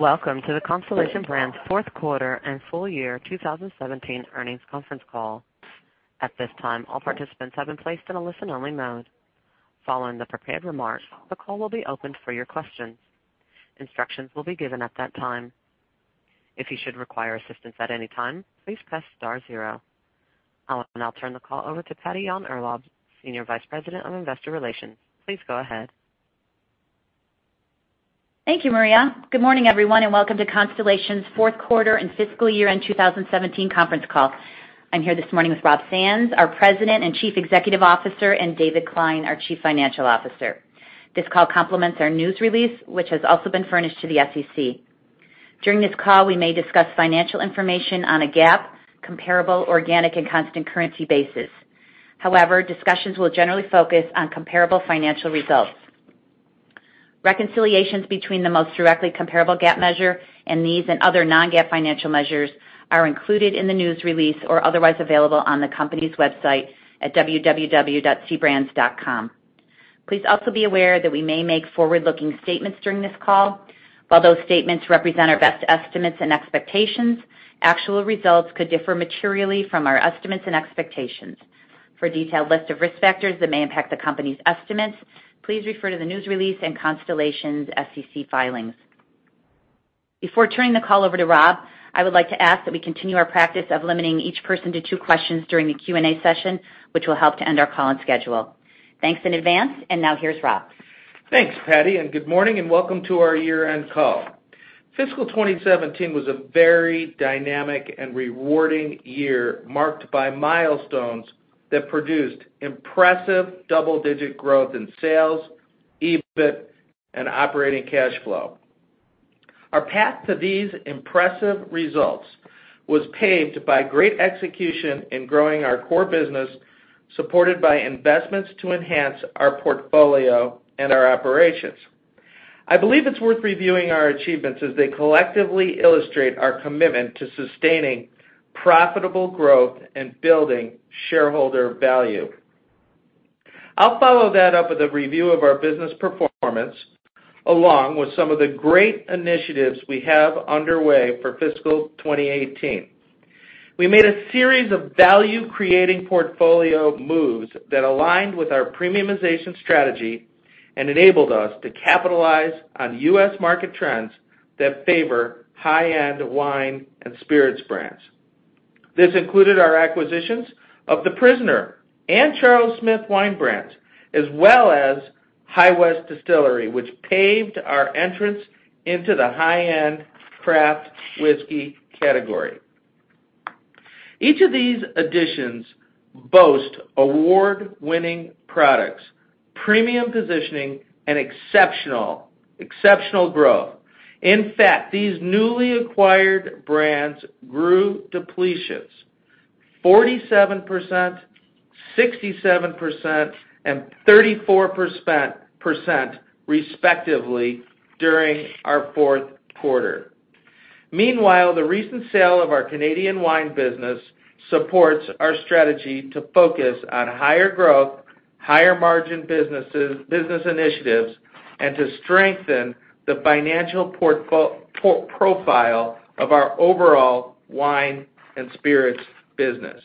Welcome to the Constellation Brands fourth quarter and full year 2017 earnings conference call. At this time, all participants have been placed in a listen-only mode. Following the prepared remarks, the call will be opened for your questions. Instructions will be given at that time. If you should require assistance at any time, please press star zero. I will now turn the call over to Patty Yahn-Urlaub, Senior Vice President of Investor Relations. Please go ahead. Thank you, Maria. Good morning, everyone, welcome to Constellation's fourth quarter and fiscal year-end 2017 conference call. I'm here this morning with Rob Sands, our President and Chief Executive Officer, and David Klein, our Chief Financial Officer. This call complements our news release, which has also been furnished to the SEC. During this call, we may discuss financial information on a GAAP, comparable, organic, and constant currency basis. However, discussions will generally focus on comparable financial results. Reconciliations between the most directly comparable GAAP measure and these and other non-GAAP financial measures are included in the news release or otherwise available on the company's website at www.cbrands.com. Please also be aware that we may make forward-looking statements during this call. While those statements represent our best estimates and expectations, actual results could differ materially from our estimates and expectations. For a detailed list of risk factors that may impact the company's estimates, please refer to the news release and Constellation's SEC filings. Before turning the call over to Rob, I would like to ask that we continue our practice of limiting each person to two questions during the Q&A session, which will help to end our call on schedule. Thanks in advance, now here's Rob. Thanks, Patty, good morning, welcome to our year-end call. Fiscal 2017 was a very dynamic and rewarding year, marked by milestones that produced impressive double-digit growth in sales, EBIT, and operating cash flow. Our path to these impressive results was paved by great execution in growing our core business, supported by investments to enhance our portfolio and our operations. I believe it's worth reviewing our achievements as they collectively illustrate our commitment to sustaining profitable growth and building shareholder value. I'll follow that up with a review of our business performance, along with some of the great initiatives we have underway for fiscal 2018. We made a series of value-creating portfolio moves that aligned with our premiumization strategy and enabled us to capitalize on U.S. market trends that favor high-end wine and spirits brands. This included our acquisitions of The Prisoner and Charles Smith wine brands, as well as High West Distillery, which paved our entrance into the high-end craft whiskey category. Each of these additions boast award-winning products, premium positioning, and exceptional growth. In fact, these newly acquired brands grew depletions 47%, 67%, and 34% respectively during our fourth quarter. The recent sale of our Canadian wine business supports our strategy to focus on higher growth, higher margin business initiatives, and to strengthen the financial profile of our overall wine and spirits business.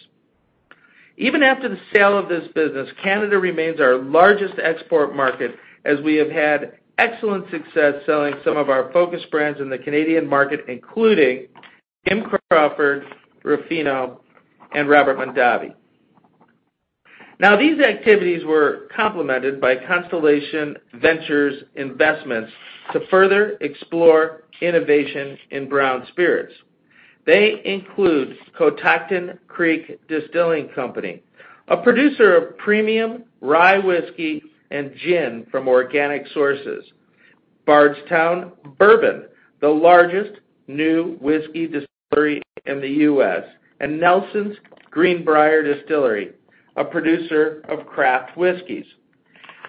Even after the sale of this business, Canada remains our largest export market, as we have had excellent success selling some of our focus brands in the Canadian market, including Kim Crawford, Ruffino, and Robert Mondavi. These activities were complemented by Constellation Ventures investments to further explore innovation in brown spirits. They include Catoctin Creek Distilling Company, a producer of premium rye whiskey and gin from organic sources, Bardstown Bourbon, the largest new whiskey distillery in the U.S., and Nelson's Green Brier Distillery, a producer of craft whiskeys.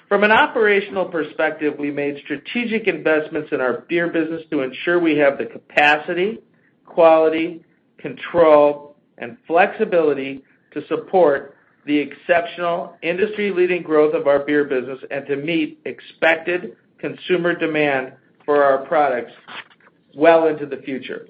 From an operational perspective, we made strategic investments in our beer business to ensure we have the capacity, quality, control, and flexibility to support the exceptional industry-leading growth of our beer business and to meet expected consumer demand for our products well into the future.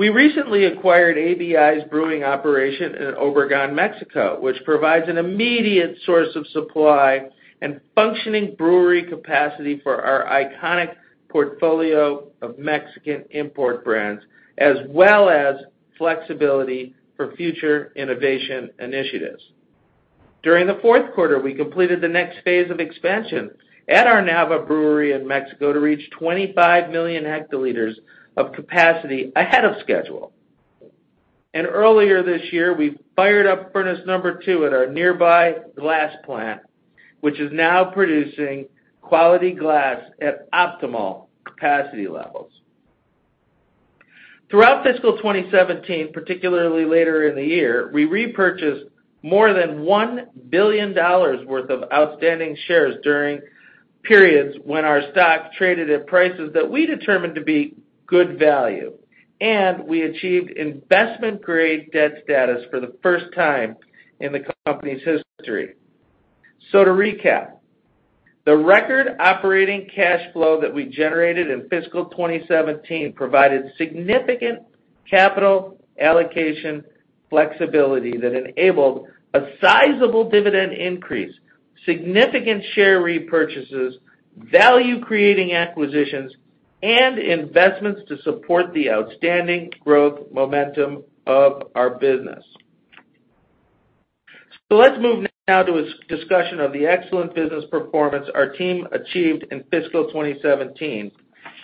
We recently acquired ABI's brewing operation in Obregon, Mexico, which provides an immediate source of supply and functioning brewery capacity for our iconic portfolio of Mexican import brands, as well as flexibility for future innovation initiatives. During the fourth quarter, we completed the next phase of expansion at our Nava Brewery in Mexico to reach 25 million hectoliters of capacity ahead of schedule. Earlier this year, we fired up furnace number 2 at our nearby glass plant, which is now producing quality glass at optimal capacity levels. Throughout fiscal 2017, particularly later in the year, we repurchased more than $1 billion worth of outstanding shares during periods when our stock traded at prices that we determined to be good value. We achieved investment-grade debt status for the first time in the company's history. To recap, the record operating cash flow that we generated in fiscal 2017 provided significant capital allocation flexibility that enabled a sizable dividend increase, significant share repurchases, value-creating acquisitions, and investments to support the outstanding growth momentum of our business. Let's move now to a discussion of the excellent business performance our team achieved in fiscal 2017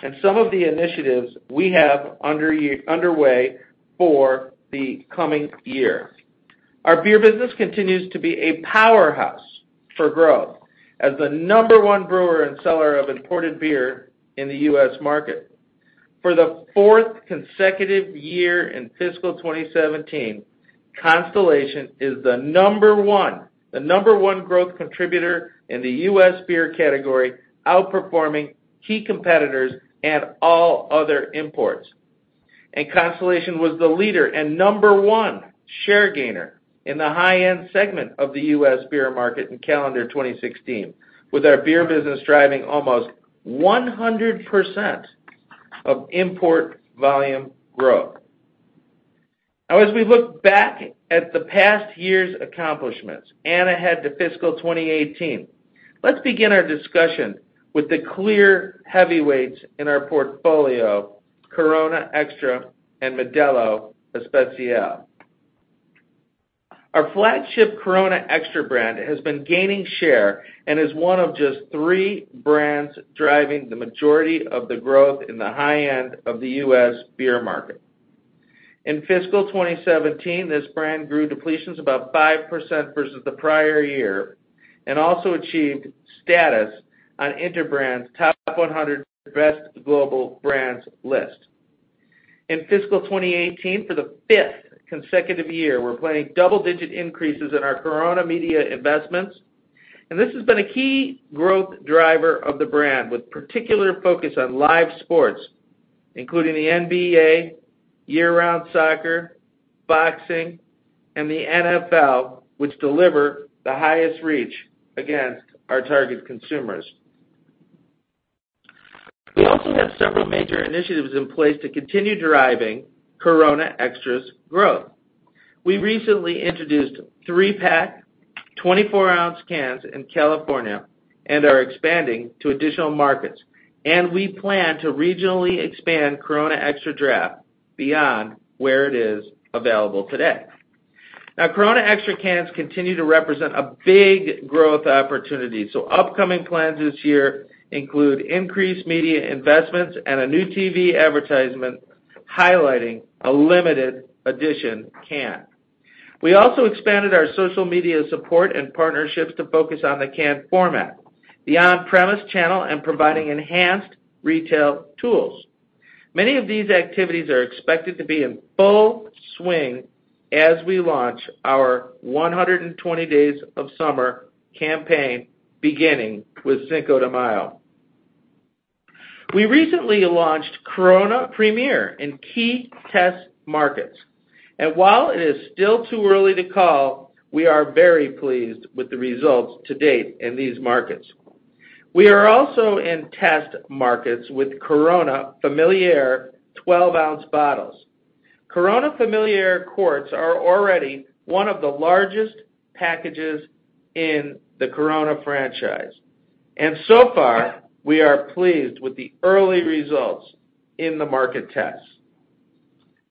and some of the initiatives we have underway for the coming year. Our beer business continues to be a powerhouse for growth as the number 1 brewer and seller of imported beer in the U.S. market. For the fourth consecutive year in fiscal 2017, Constellation is the number 1 growth contributor in the U.S. beer category, outperforming key competitors and all other imports. Constellation was the leader and number 1 share gainer in the high-end segment of the U.S. beer market in calendar 2016, with our beer business driving almost 100% of import volume growth. As we look back at the past year's accomplishments and ahead to fiscal 2018, let's begin our discussion with the clear heavyweights in our portfolio, Corona Extra and Modelo Especial. Our flagship Corona Extra brand has been gaining share and is one of just three brands driving the majority of the growth in the high end of the U.S. beer market. In fiscal 2017, this brand grew depletions about 5% versus the prior year and also achieved status on Interbrand's Top 100 Best Global Brands list. In fiscal 2018, for the fifth consecutive year, we're planning double-digit increases in our Corona media investments. This has been a key growth driver of the brand, with particular focus on live sports, including the NBA, year-round soccer, boxing, and the NFL, which deliver the highest reach against our target consumers. We also have several major initiatives in place to continue driving Corona Extra's growth. We recently introduced three-pack 24-ounce cans in California and are expanding to additional markets. We plan to regionally expand Corona Extra Draft beyond where it is available today. Corona Extra cans continue to represent a big growth opportunity, so upcoming plans this year include increased media investments and a new TV advertisement highlighting a limited edition can. We also expanded our social media support and partnerships to focus on the can format, the on-premise channel, and providing enhanced retail tools. Many of these activities are expected to be in full swing as we launch our 120 Days of Summer campaign, beginning with Cinco de Mayo. We recently launched Corona Premier in key test markets. While it is still too early to call, we are very pleased with the results to date in these markets. We are also in test markets with Corona Familiar 12-ounce bottles. Corona Familiar quarts are already one of the largest packages in the Corona franchise, so far, we are pleased with the early results in the market test.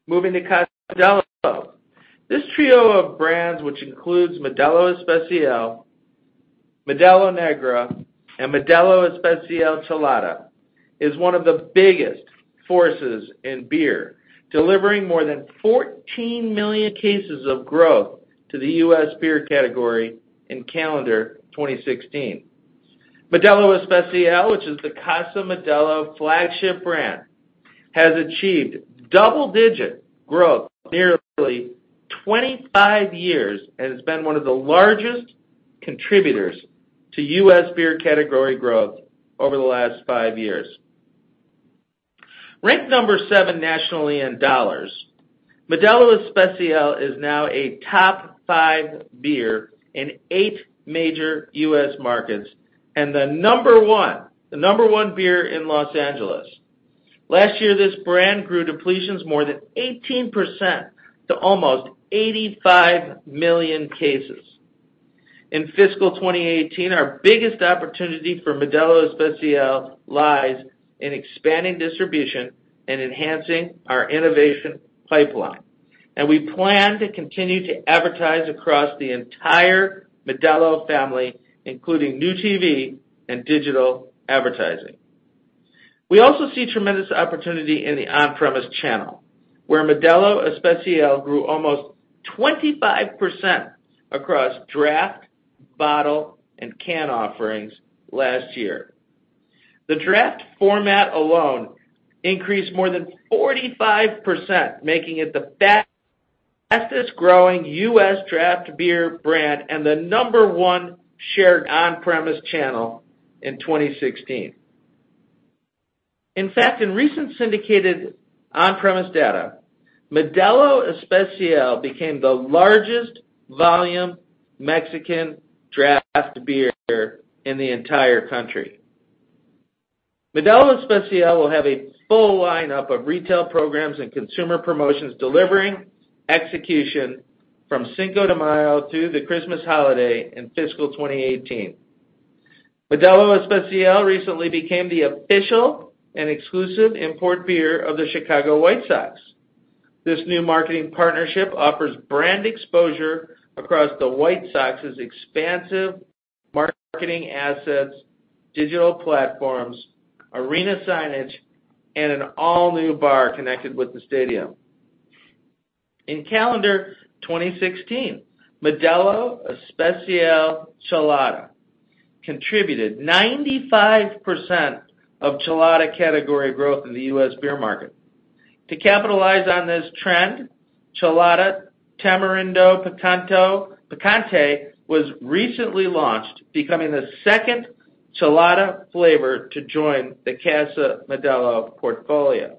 Moving to Modelo. This trio of brands, which includes Modelo Especial, Modelo Negra, and Modelo Especial Chelada, is one of the biggest forces in beer, delivering more than 14 million cases of growth to the U.S. beer category in calendar 2016. Modelo Especial, which is the Casa Modelo flagship brand, has achieved double-digit growth nearly 25 years and has been one of the largest contributors to U.S. beer category growth over the last five years. Ranked number seven nationally in dollars, Modelo Especial is now a top five beer in eight major U.S. markets and the number one beer in Los Angeles. Last year, this brand grew depletions more than 18% to almost 85 million cases. In fiscal 2018, our biggest opportunity for Modelo Especial lies in expanding distribution and enhancing our innovation pipeline. We plan to continue to advertise across the entire Modelo family, including new TV and digital advertising. We also see tremendous opportunity in the on-premise channel, where Modelo Especial grew almost 25% across draft, bottle, and can offerings last year. The draft format alone increased more than 45%, making it the fastest-growing U.S. draft beer brand and the number one shared on-premise channel in 2016. In fact, in recent syndicated on-premise data, Modelo Especial became the largest volume Mexican draft beer in the entire country. Modelo Especial will have a full lineup of retail programs and consumer promotions, delivering execution from Cinco de Mayo to the Christmas holiday in fiscal 2018. Modelo Especial recently became the official and exclusive import beer of the Chicago White Sox. This new marketing partnership offers brand exposure across the White Sox's expansive marketing assets, digital platforms, arena signage, and an all-new bar connected with the stadium. In calendar 2016, Modelo Chelada Especial contributed 95% of Chelada category growth in the U.S. beer market. To capitalize on this trend, Chelada Tamarindo Picante was recently launched, becoming the second Chelada flavor to join the Casa Modelo portfolio.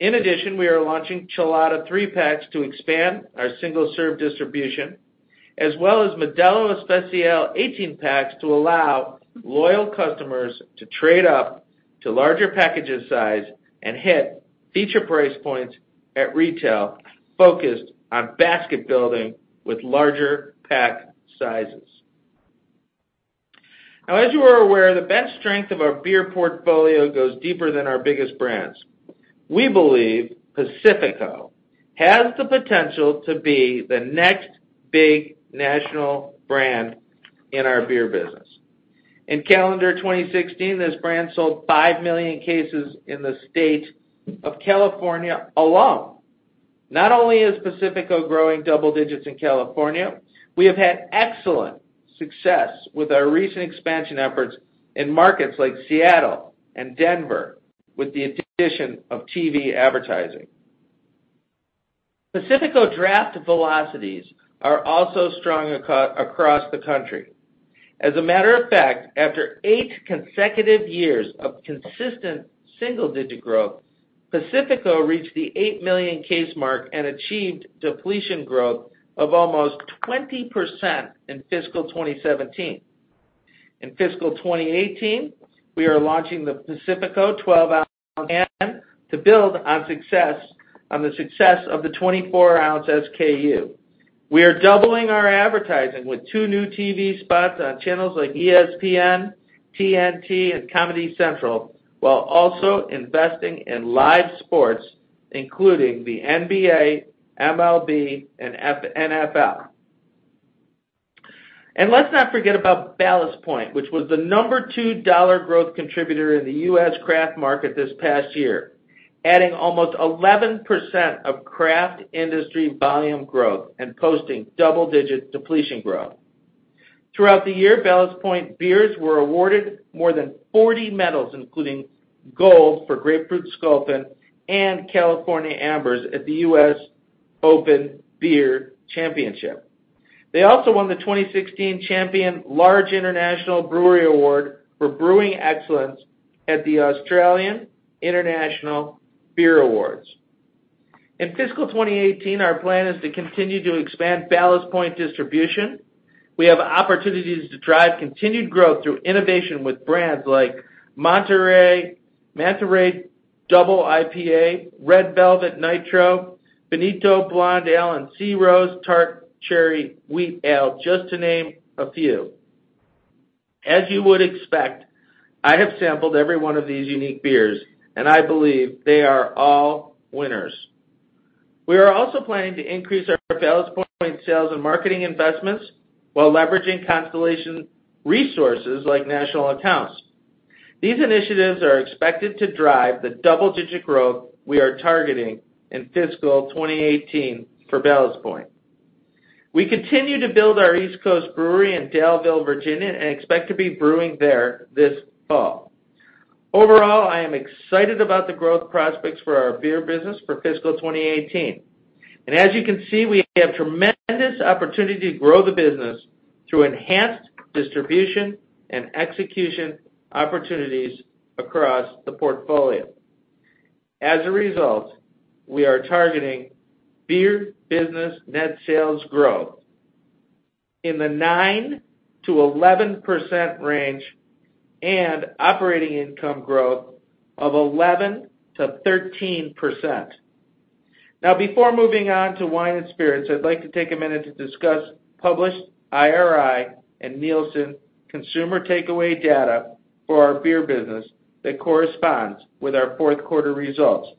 In addition, we are launching Chelada three packs to expand our single-serve distribution, as well as Modelo Especial 18 packs to allow loyal customers to trade up to larger packages size and hit feature price points at retail, focused on basket building with larger pack sizes. As you are aware, the best strength of our beer portfolio goes deeper than our biggest brands. We believe Pacifico has the potential to be the next big national brand in our beer business. In calendar 2016, this brand sold 5 million cases in the state of California alone. Not only is Pacifico growing double digits in California, we have had excellent success with our recent expansion efforts in markets like Seattle and Denver with the addition of TV advertising. Pacifico draft velocities are also strong across the country. As a matter of fact, after 8 consecutive years of consistent single-digit growth, Pacifico reached the 8 million case mark and achieved depletion growth of almost 20% in fiscal 2017. In fiscal 2018, we are launching the Pacifico 12-ounce can to build on the success of the 24-ounce SKU. We are doubling our advertising with two new TV spots on channels like ESPN, TNT, and Comedy Central, while also investing in live sports, including the NBA, MLB, and NFL. Let's not forget about Ballast Point, which was the number 2 dollar growth contributor in the U.S. craft market this past year, adding almost 11% of craft industry volume growth and posting double-digit depletion growth. Throughout the year, Ballast Point beers were awarded more than 40 medals, including gold for Grapefruit Sculpin and California Amber at the U.S. Open Beer Championship. They also won the 2016 Champion Large International Brewery Award for brewing excellence at the Australian International Beer Awards. In fiscal 2018, our plan is to continue to expand Ballast Point distribution. We have opportunities to drive continued growth through innovation with brands like Manta Ray Double IPA, Red Velvet Nitro, Bonito Blonde Ale, and Sea Rose Tart Cherry Wheat Ale, just to name a few. As you would expect, I have sampled every one of these unique beers, and I believe they are all winners. We are also planning to increase our Ballast Point sales and marketing investments while leveraging Constellation resources like national accounts. These initiatives are expected to drive the double-digit growth we are targeting in fiscal 2018 for Ballast Point. We continue to build our East Coast brewery in Daleville, Virginia and expect to be brewing there this fall. Overall, I am excited about the growth prospects for our beer business for fiscal 2018. As you can see, we have tremendous opportunity to grow the business through enhanced distribution and execution opportunities across the portfolio. As a result, we are targeting beer business net sales growth in the 9%-11% range and operating income growth of 11%-13%. Before moving on to wine and spirits, I'd like to take a minute to discuss published IRI and Nielsen consumer takeaway data for our beer business that corresponds with our fourth quarter results,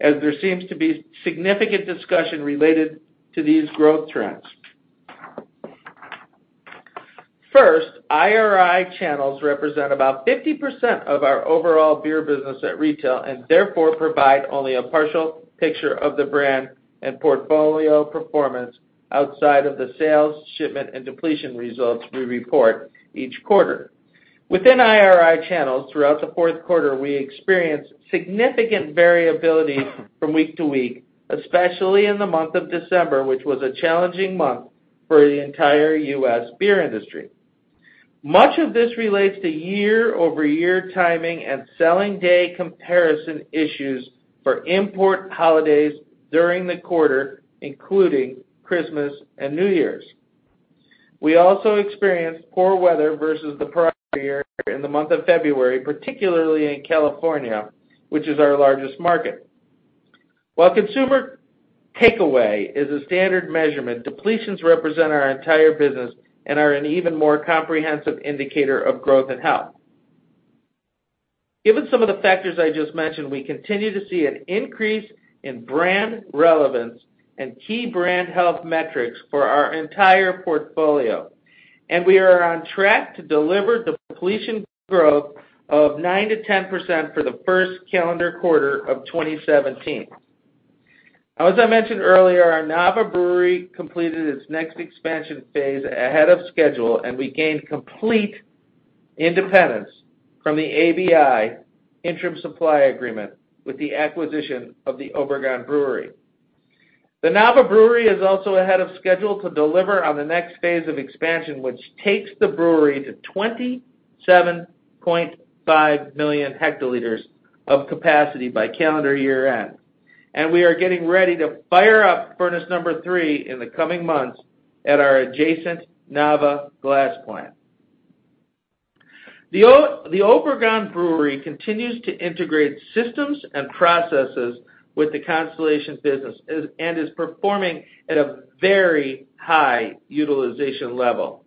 as there seems to be significant discussion related to these growth trends. First, IRI channels represent about 50% of our overall beer business at retail and therefore provide only a partial picture of the brand and portfolio performance outside of the sales, shipment, and depletion results we report each quarter. Within IRI channels, throughout the fourth quarter, we experienced significant variability from week to week, especially in the month of December, which was a challenging month for the entire U.S. beer industry. Much of this relates to year-over-year timing and selling day comparison issues for import holidays during the quarter, including Christmas and New Year's. We also experienced poor weather versus the prior year in the month of February, particularly in California, which is our largest market. While consumer takeaway is a standard measurement, depletions represent our entire business and are an even more comprehensive indicator of growth and health. Given some of the factors I just mentioned, we continue to see an increase in brand relevance and key brand health metrics for our entire portfolio, and we are on track to deliver depletion growth of 9% to 10% for the first calendar quarter of 2017. As I mentioned earlier, our Nava Brewery completed its next expansion phase ahead of schedule, and we gained complete independence from the ABI interim supply agreement with the acquisition of the Obregon Brewery. The Nava Brewery is also ahead of schedule to deliver on the next phase of expansion, which takes the brewery to 27.5 million hectoliters of capacity by calendar year-end, and we are getting ready to fire up furnace number 3 in the coming months at our adjacent Nava glass plant. The Obregon Brewery continues to integrate systems and processes with the Constellation business and is performing at a very high utilization level.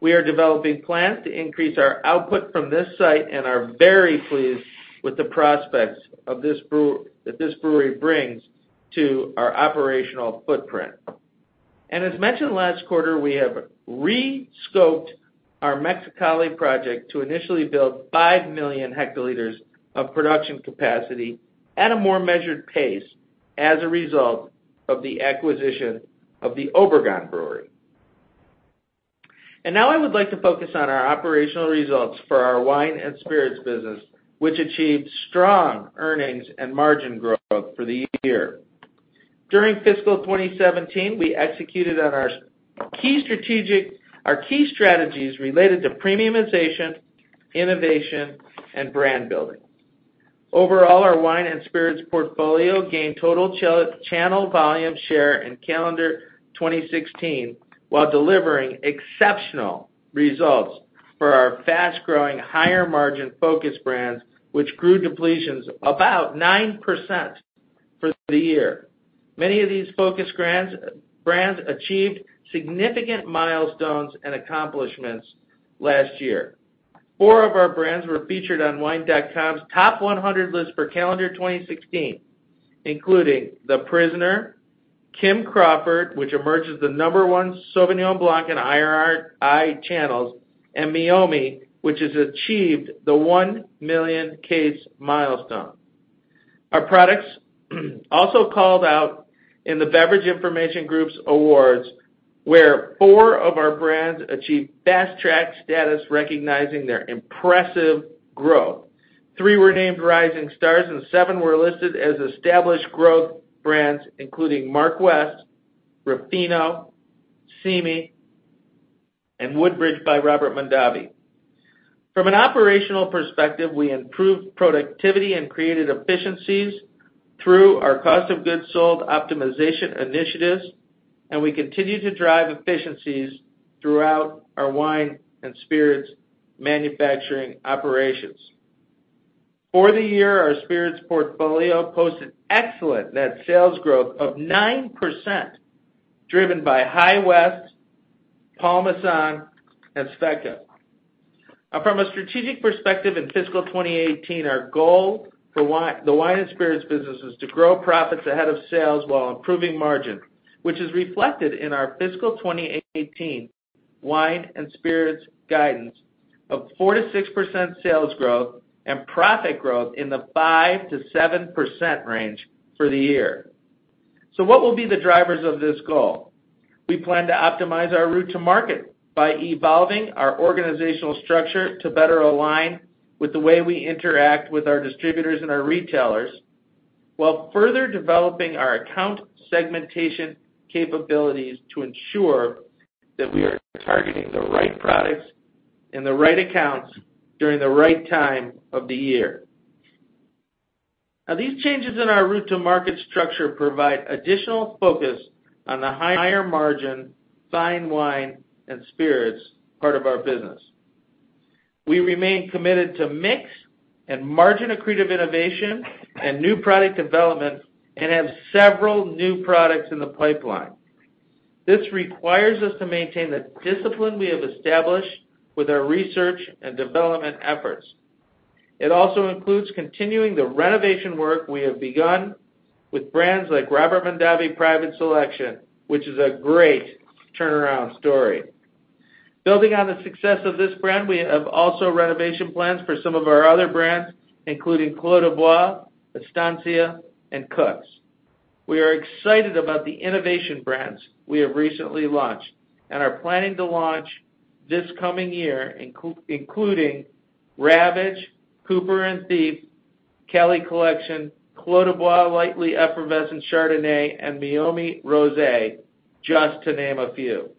We are developing plans to increase our output from this site and are very pleased with the prospects that this brewery brings to our operational footprint. As mentioned last quarter, we have re-scoped our Mexicali project to initially build 5 million hectoliters of production capacity at a more measured pace as a result of the acquisition of the Obregon Brewery. Now I would like to focus on our operational results for our wine and spirits business, which achieved strong earnings and margin growth for the year. During fiscal 2017, we executed on our key strategies related to premiumization, innovation, and brand building. Overall, our wine and spirits portfolio gained total channel volume share in calendar 2016, while delivering exceptional results for our fast-growing, higher margin focus brands, which grew depletions about 9% for the year. Many of these focus brands achieved significant milestones and accomplishments last year. Four of our brands were featured on wine.com's Top 100 list for calendar 2016, including The Prisoner, Kim Crawford, which emerges the number 1 Sauvignon Blanc in IRI channels, and Meiomi, which has achieved the 1 million case milestone. Our products also called out in the Beverage Information Group's awards, where four of our brands achieved Best Track Status, recognizing their impressive growth. Three were named Rising Stars, and seven were listed as Established Growth Brands, including Mark West, Ruffino, Simi, and Woodbridge by Robert Mondavi. From an operational perspective, we improved productivity and created efficiencies through our cost of goods sold optimization initiatives. We continue to drive efficiencies throughout our wine and spirits manufacturing operations. For the year, our spirits portfolio posted excellent net sales growth of 9%, driven by High West, Paul Masson, and Svedka. From a strategic perspective, in fiscal 2018, our goal for the wine and spirits business is to grow profits ahead of sales while improving margin, which is reflected in our fiscal 2018 wine and spirits guidance of 4%-6% sales growth and profit growth in the 5%-7% range for the year. What will be the drivers of this goal? We plan to optimize our route to market by evolving our organizational structure to better align with the way we interact with our distributors and our retailers, while further developing our account segmentation capabilities to ensure that we are targeting the right products in the right accounts during the right time of the year. These changes in our route to market structure provide additional focus on the higher margin fine wine and spirits part of our business. We remain committed to mix and margin-accretive innovation and new product development and have several new products in the pipeline. This requires us to maintain the discipline we have established with our research and development efforts. It also includes continuing the renovation work we have begun with brands like Robert Mondavi Private Selection, which is a great turnaround story. Building on the success of this brand, we have also renovation plans for some of our other brands, including Clos du Bois, Estancia, and Cook's. We are excited about the innovation brands we have recently launched and are planning to launch this coming year, including Ravage, Cooper & Thief Cellar Collection, Clos du Bois lightly effervescent Chardonnay, and Meiomi Rosé, just to name a few.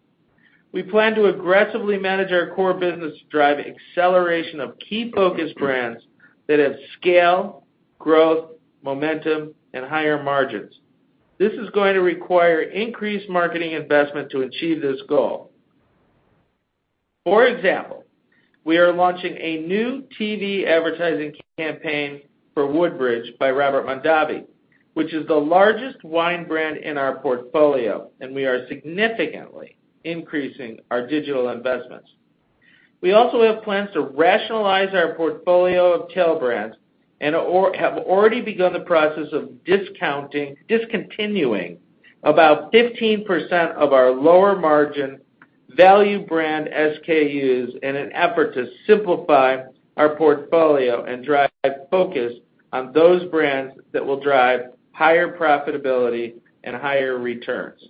We plan to aggressively manage our core business to drive acceleration of key focus brands that have scale, growth, momentum, and higher margins. This is going to require increased marketing investment to achieve this goal. For example, we are launching a new TV advertising campaign for Woodbridge by Robert Mondavi, which is the largest wine brand in our portfolio. We are significantly increasing our digital investments. We also have plans to rationalize our portfolio of tail brands and have already begun the process of discontinuing about 15% of our lower margin value brand SKUs in an effort to simplify our portfolio and drive focus on those brands that will drive higher profitability and higher returns.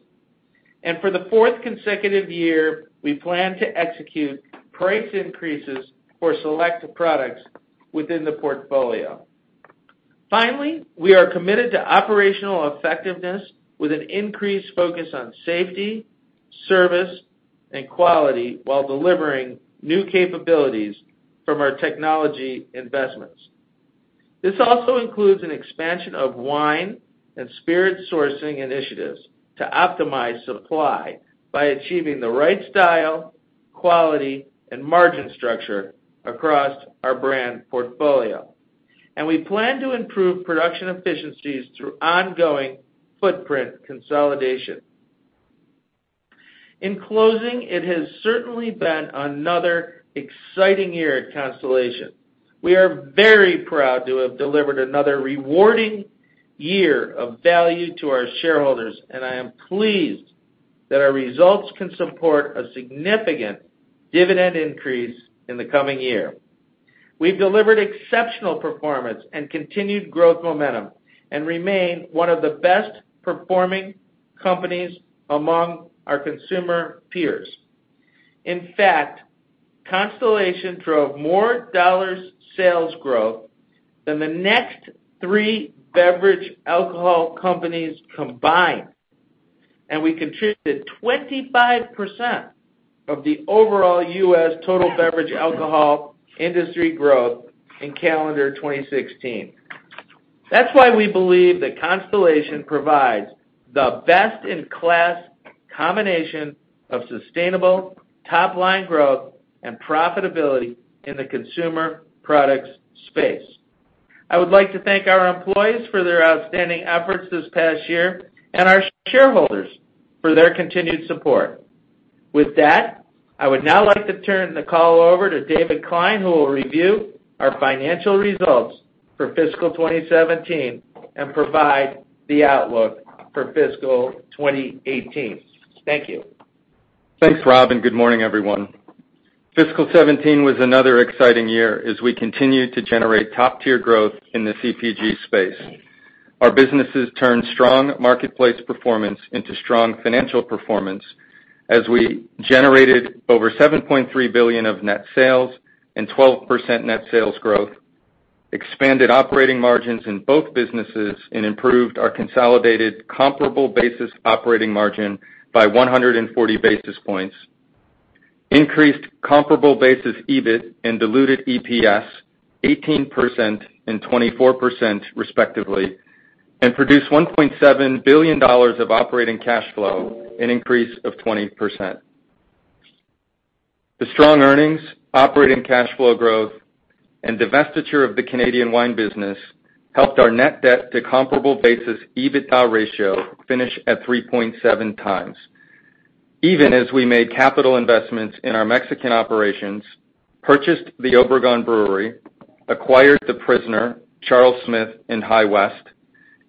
For the fourth consecutive year, we plan to execute price increases for selective products within the portfolio. Finally, we are committed to operational effectiveness with an increased focus on safety, service, and quality while delivering new capabilities from our technology investments. This also includes an expansion of wine and spirit sourcing initiatives to optimize supply by achieving the right style, quality, and margin structure across our brand portfolio. We plan to improve production efficiencies through ongoing footprint consolidation. In closing, it has certainly been another exciting year at Constellation. We are very proud to have delivered another rewarding year of value to our shareholders, and I am pleased that our results can support a significant dividend increase in the coming year. We've delivered exceptional performance and continued growth momentum and remain one of the best-performing companies among our consumer peers. In fact, Constellation drove more dollars sales growth than the next three beverage alcohol companies combined, and we contributed 25% of the overall U.S. total beverage alcohol industry growth in calendar 2016. That's why we believe that Constellation provides the best-in-class combination of sustainable top-line growth and profitability in the consumer products space. I would like to thank our employees for their outstanding efforts this past year and our shareholders for their continued support. With that, I would now like to turn the call over to David Klein, who will review our financial results for fiscal 2017 and provide the outlook for fiscal 2018. Thank you. Thanks, Rob. Good morning, everyone. Fiscal 2017 was another exciting year as we continued to generate top-tier growth in the CPG space. Our businesses turned strong marketplace performance into strong financial performance as we generated over $7.3 billion of net sales and 12% net sales growth, expanded operating margins in both businesses, improved our consolidated comparable basis operating margin by 140 basis points, increased comparable basis EBIT and diluted EPS 18% and 24% respectively, and produced $1.7 billion of operating cash flow, an increase of 20%. The strong earnings, operating cash flow growth, divestiture of the Canadian wine business helped our net debt to comparable basis EBITDA ratio finish at 3.7 times, even as we made capital investments in our Mexican operations, purchased the Obregon Brewery, acquired The Prisoner, Charles Smith, and High West,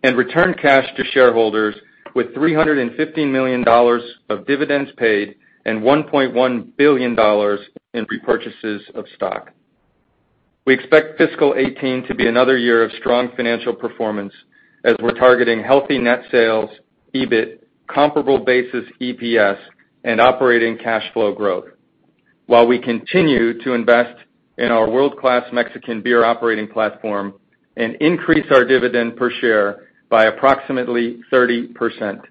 and returned cash to shareholders with $350 million of dividends paid and $1.1 billion in repurchases of stock. We expect fiscal 2018 to be another year of strong financial performance as we're targeting healthy net sales, EBIT, comparable basis EPS, and operating cash flow growth while we continue to invest in our world-class Mexican beer operating platform and increase our dividend per share by approximately 30%.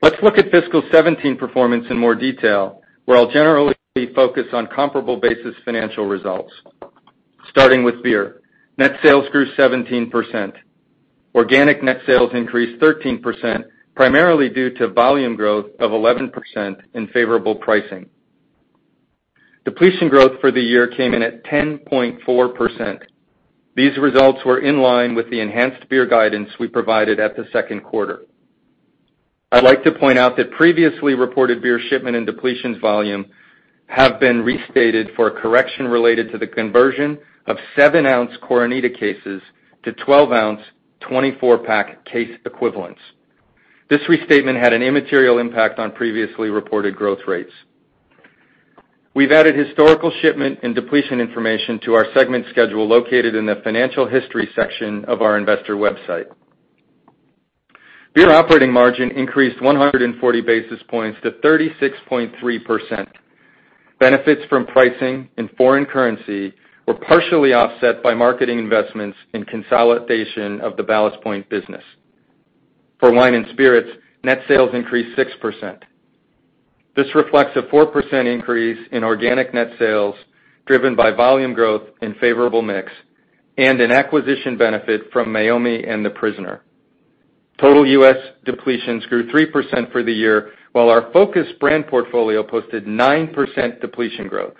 Let's look at fiscal 2017 performance in more detail, where I'll generally focus on comparable basis financial results. Starting with beer. Net sales grew 17%. Organic net sales increased 13%, primarily due to volume growth of 11% in favorable pricing. Depletion growth for the year came in at 10.4%. These results were in line with the enhanced beer guidance we provided at the second quarter. I'd like to point out that previously reported beer shipment and depletions volume have been restated for a correction related to the conversion of 7-ounce Coronita cases to 12-ounce, 24-pack case equivalents. This restatement had an immaterial impact on previously reported growth rates. We've added historical shipment and depletion information to our segment schedule located in the financial history section of our investor website. Beer operating margin increased 140 basis points to 36.3%. Benefits from pricing and foreign currency were partially offset by marketing investments in consolidation of the Ballast Point business. For wine and spirits, net sales increased 6%. This reflects a 4% increase in organic net sales, driven by volume growth and favorable mix, and an acquisition benefit from Meiomi and The Prisoner. Total U.S. depletions grew 3% for the year, while our focused brand portfolio posted 9% depletion growth.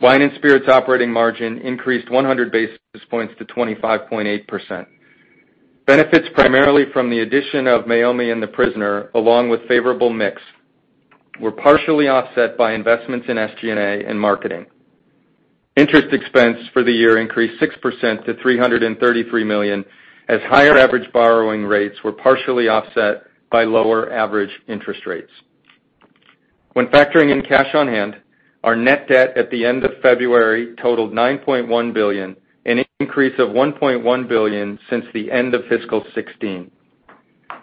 Wine and spirits operating margin increased 100 basis points to 25.8%. Benefits primarily from the addition of Meiomi and The Prisoner, along with favorable mix, were partially offset by investments in SG&A and marketing. Interest expense for the year increased 6% to $333 million, as higher average borrowing rates were partially offset by lower average interest rates. When factoring in cash on hand, our net debt at the end of February totaled $9.1 billion, an increase of $1.1 billion since the end of fiscal 2016.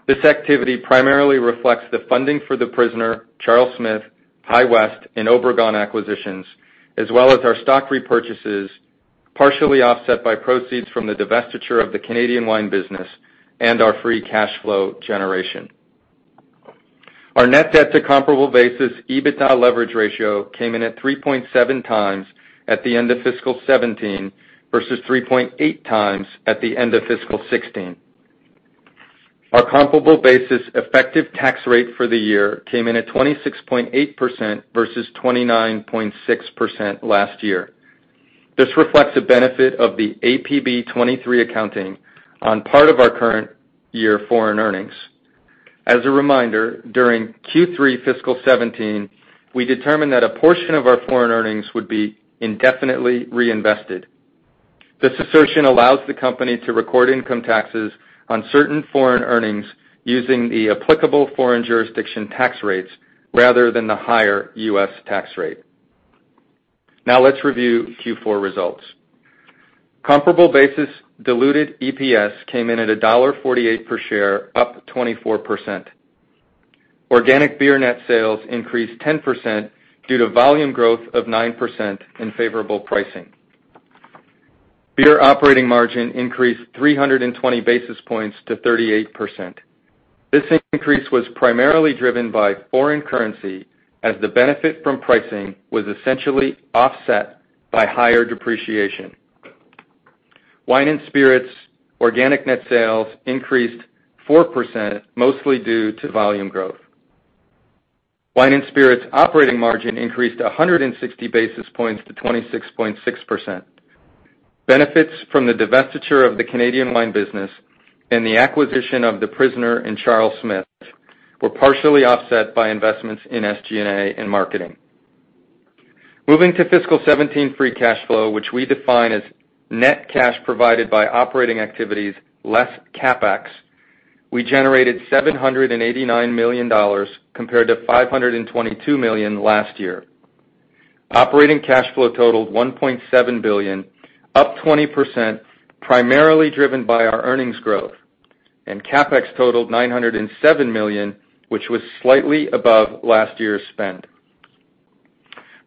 This activity primarily reflects the funding for The Prisoner, Charles Smith, High West, and Obregon acquisitions, as well as our stock repurchases, partially offset by proceeds from the divestiture of the Canadian wine business and our free cash flow generation. Our net debt to comparable basis, EBITDA leverage ratio came in at 3.7 times at the end of fiscal 2017 versus 3.8 times at the end of fiscal 2016. Our comparable basis effective tax rate for the year came in at 26.8% versus 29.6% last year. This reflects a benefit of the APB 23 accounting on part of our current year foreign earnings. As a reminder, during Q3 fiscal 2017, we determined that a portion of our foreign earnings would be indefinitely reinvested. This assertion allows the company to record income taxes on certain foreign earnings using the applicable foreign jurisdiction tax rates rather than the higher U.S. tax rate. Now let's review Q4 results. Comparable basis diluted EPS came in at $1.48 per share, up 24%. Organic beer net sales increased 10% due to volume growth of 9% in favorable pricing. Beer operating margin increased 320 basis points to 38%. This increase was primarily driven by foreign currency, as the benefit from pricing was essentially offset by higher depreciation. Wine and spirits organic net sales increased 4%, mostly due to volume growth. Wine and spirits operating margin increased 160 basis points to 26.6%. Benefits from the divestiture of the Canadian wine business and the acquisition of The Prisoner and Charles Smith were partially offset by investments in SG&A and marketing. Moving to fiscal 2017 free cash flow, which we define as net cash provided by operating activities less CapEx, we generated $789 million compared to $522 million last year. Operating cash flow totaled $1.7 billion, up 20%, primarily driven by our earnings growth, and CapEx totaled $907 million, which was slightly above last year's spend.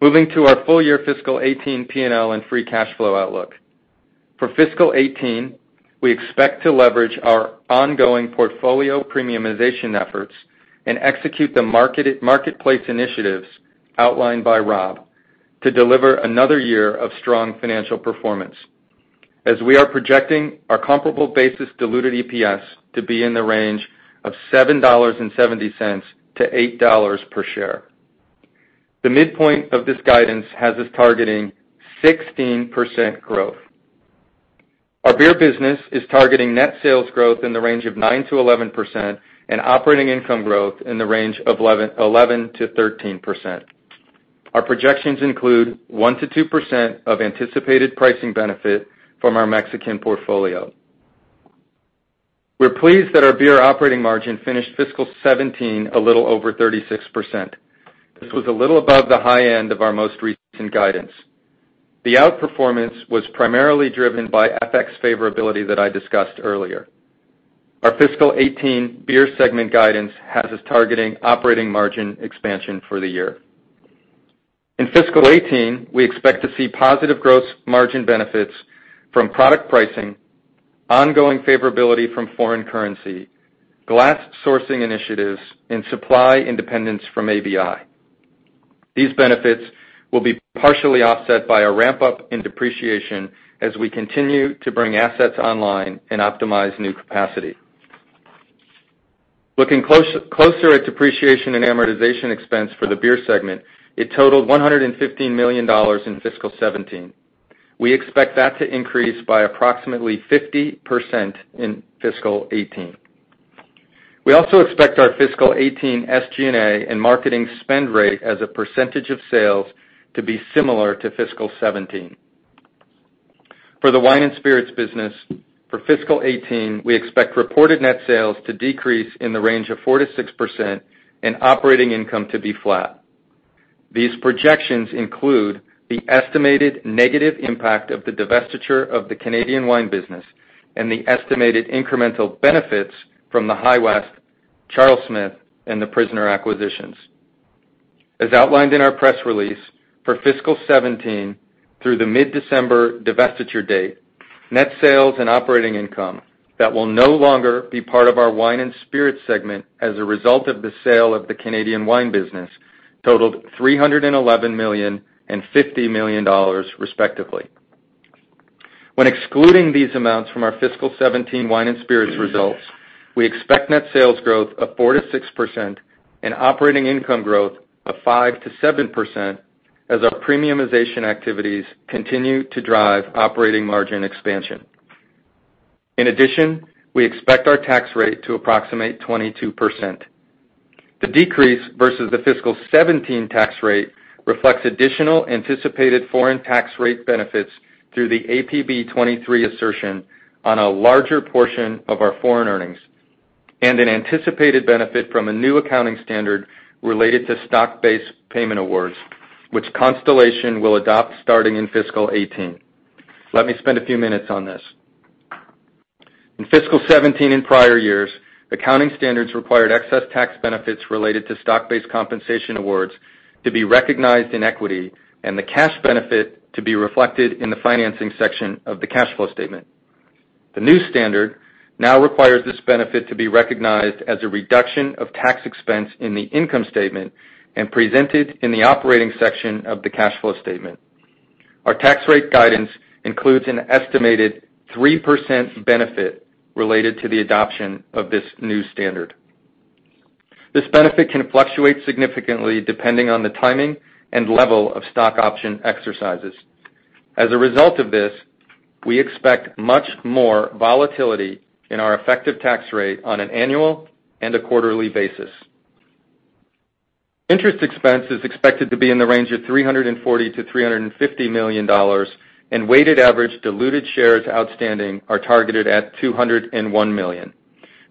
Moving to our full year fiscal 2018 P&L and free cash flow outlook. For fiscal 2018, we expect to leverage our ongoing portfolio premiumization efforts and execute the marketplace initiatives outlined by Rob to deliver another year of strong financial performance, as we are projecting our comparable basis diluted EPS to be in the range of $7.70-$8 per share. The midpoint of this guidance has us targeting 16% growth. Our beer business is targeting net sales growth in the range of 9%-11% and operating income growth in the range of 11%-13%. Our projections include 1%-2% of anticipated pricing benefit from our Mexican portfolio. We're pleased that our beer operating margin finished fiscal 2017 a little over 36%. This was a little above the high end of our most recent guidance. The outperformance was primarily driven by FX favorability that I discussed earlier. Our fiscal 2018 beer segment guidance has us targeting operating margin expansion for the year. In fiscal 2018, we expect to see positive gross margin benefits from product pricing, ongoing favorability from foreign currency, glass sourcing initiatives, and supply independence from ABI. These benefits will be partially offset by a ramp-up in depreciation as we continue to bring assets online and optimize new capacity. Looking closer at depreciation and amortization expense for the beer segment, it totaled $115 million in fiscal 2017. We expect that to increase by approximately 50% in fiscal 2018. We also expect our fiscal 2018 SG&A and marketing spend rate as a percentage of sales to be similar to fiscal 2017. For the wine and spirits business, for fiscal 2018, we expect reported net sales to decrease in the range of 4%-6% and operating income to be flat. These projections include the estimated negative impact of the divestiture of the Canadian wine business and the estimated incremental benefits from the High West, Charles Smith, and The Prisoner acquisitions. As outlined in our press release, for fiscal 2017, through the mid-December divestiture date, net sales and operating income that will no longer be part of our wine and spirit segment as a result of the sale of the Canadian wine business totaled $311 million and $50 million, respectively. When excluding these amounts from our fiscal 2017 wine and spirits results, we expect net sales growth of 4%-6% and operating income growth of 5%-7% as our premiumization activities continue to drive operating margin expansion. In addition, we expect our tax rate to approximate 22%. The decrease versus the fiscal 2017 tax rate reflects additional anticipated foreign tax rate benefits through the APB 23 assertion on a larger portion of our foreign earnings and an anticipated benefit from a new accounting standard related to stock-based payment awards, which Constellation will adopt starting in fiscal 2018. Let me spend a few minutes on this. In fiscal 2017 and prior years, accounting standards required excess tax benefits related to stock-based compensation awards to be recognized in equity and the cash benefit to be reflected in the financing section of the cash flow statement. The new standard now requires this benefit to be recognized as a reduction of tax expense in the income statement and presented in the operating section of the cash flow statement. Our tax rate guidance includes an estimated 3% benefit related to the adoption of this new standard. This benefit can fluctuate significantly depending on the timing and level of stock option exercises. As a result of this, we expect much more volatility in our effective tax rate on an annual and a quarterly basis. Interest expense is expected to be in the range of $340 million to $350 million, and weighted average diluted shares outstanding are targeted at 201 million.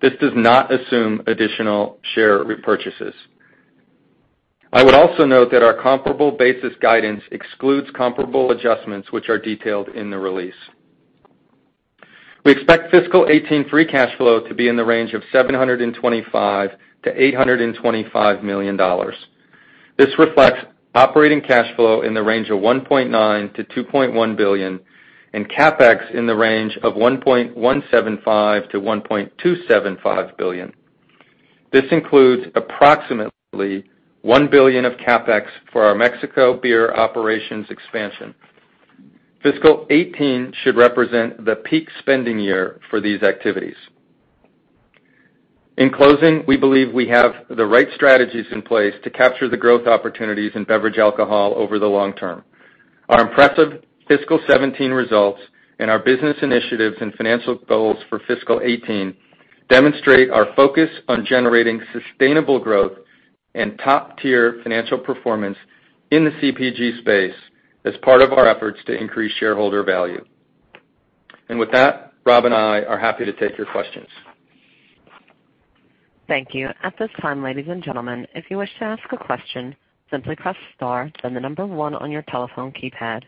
This does not assume additional share repurchases. I would also note that our comparable basis guidance excludes comparable adjustments, which are detailed in the release. We expect fiscal 2018 free cash flow to be in the range of $725 million to $825 million. This reflects operating cash flow in the range of $1.9 billion to $2.1 billion and CapEx in the range of $1.175 billion to $1.275 billion. This includes approximately $1 billion of CapEx for our Mexico beer operations expansion. Fiscal 2018 should represent the peak spending year for these activities. In closing, we believe we have the right strategies in place to capture the growth opportunities in beverage alcohol over the long term. Our impressive fiscal 2017 results and our business initiatives and financial goals for fiscal 2018 demonstrate our focus on generating sustainable growth and top-tier financial performance in the CPG space as part of our efforts to increase shareholder value. With that, Rob and I are happy to take your questions. Thank you. At this time, ladies and gentlemen, if you wish to ask a question, simply press star, then the number 1 on your telephone keypad.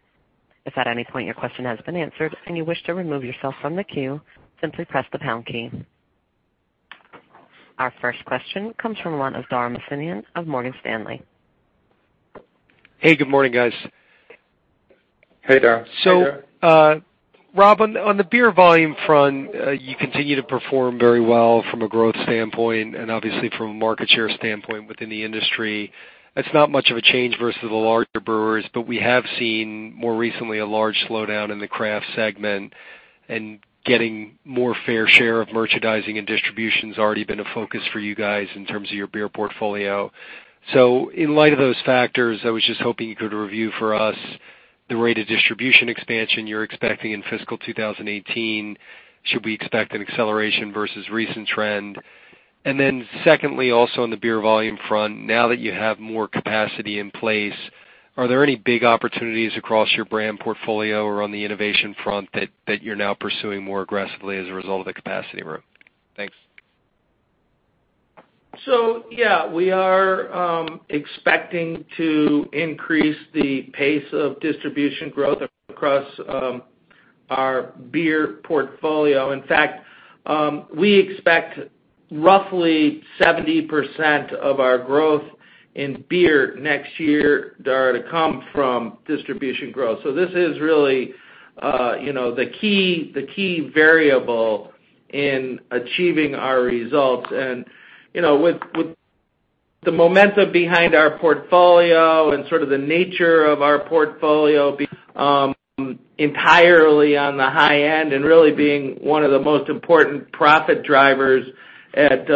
If at any point your question has been answered and you wish to remove yourself from the queue, simply press the pound key. Our first question comes from one of Dara Mohsenian of Morgan Stanley. Hey, good morning, guys. Hey, Dara. Hey, Dara. Rob, on the beer volume front, you continue to perform very well from a growth standpoint and obviously from a market share standpoint within the industry. That's not much of a change versus the larger brewers, but we have seen more recently a large slowdown in the craft segment and getting more fair share of merchandising and distribution's already been a focus for you guys in terms of your beer portfolio. In light of those factors, I was just hoping you could review for us the rate of distribution expansion you're expecting in fiscal 2018. Should we expect an acceleration versus recent trend? Secondly, also on the beer volume front, now that you have more capacity in place, are there any big opportunities across your brand portfolio or on the innovation front that you're now pursuing more aggressively as a result of the capacity room? Thanks. Yeah, we are expecting to increase the pace of distribution growth across our beer portfolio. In fact, we expect roughly 70% of our growth in beer next year, Dara, to come from distribution growth. This is really the key variable in achieving our results. With the momentum behind our portfolio and sort of the nature of our portfolio being entirely on the high end and really being one of the most important profit drivers at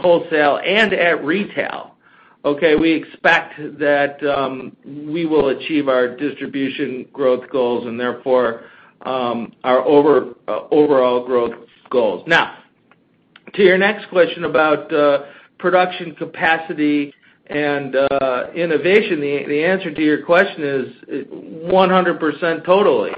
wholesale and at retail, okay, we expect that we will achieve our distribution growth goals and therefore, our overall growth goals. To your next question about production capacity and innovation, the answer to your question is 100% totally.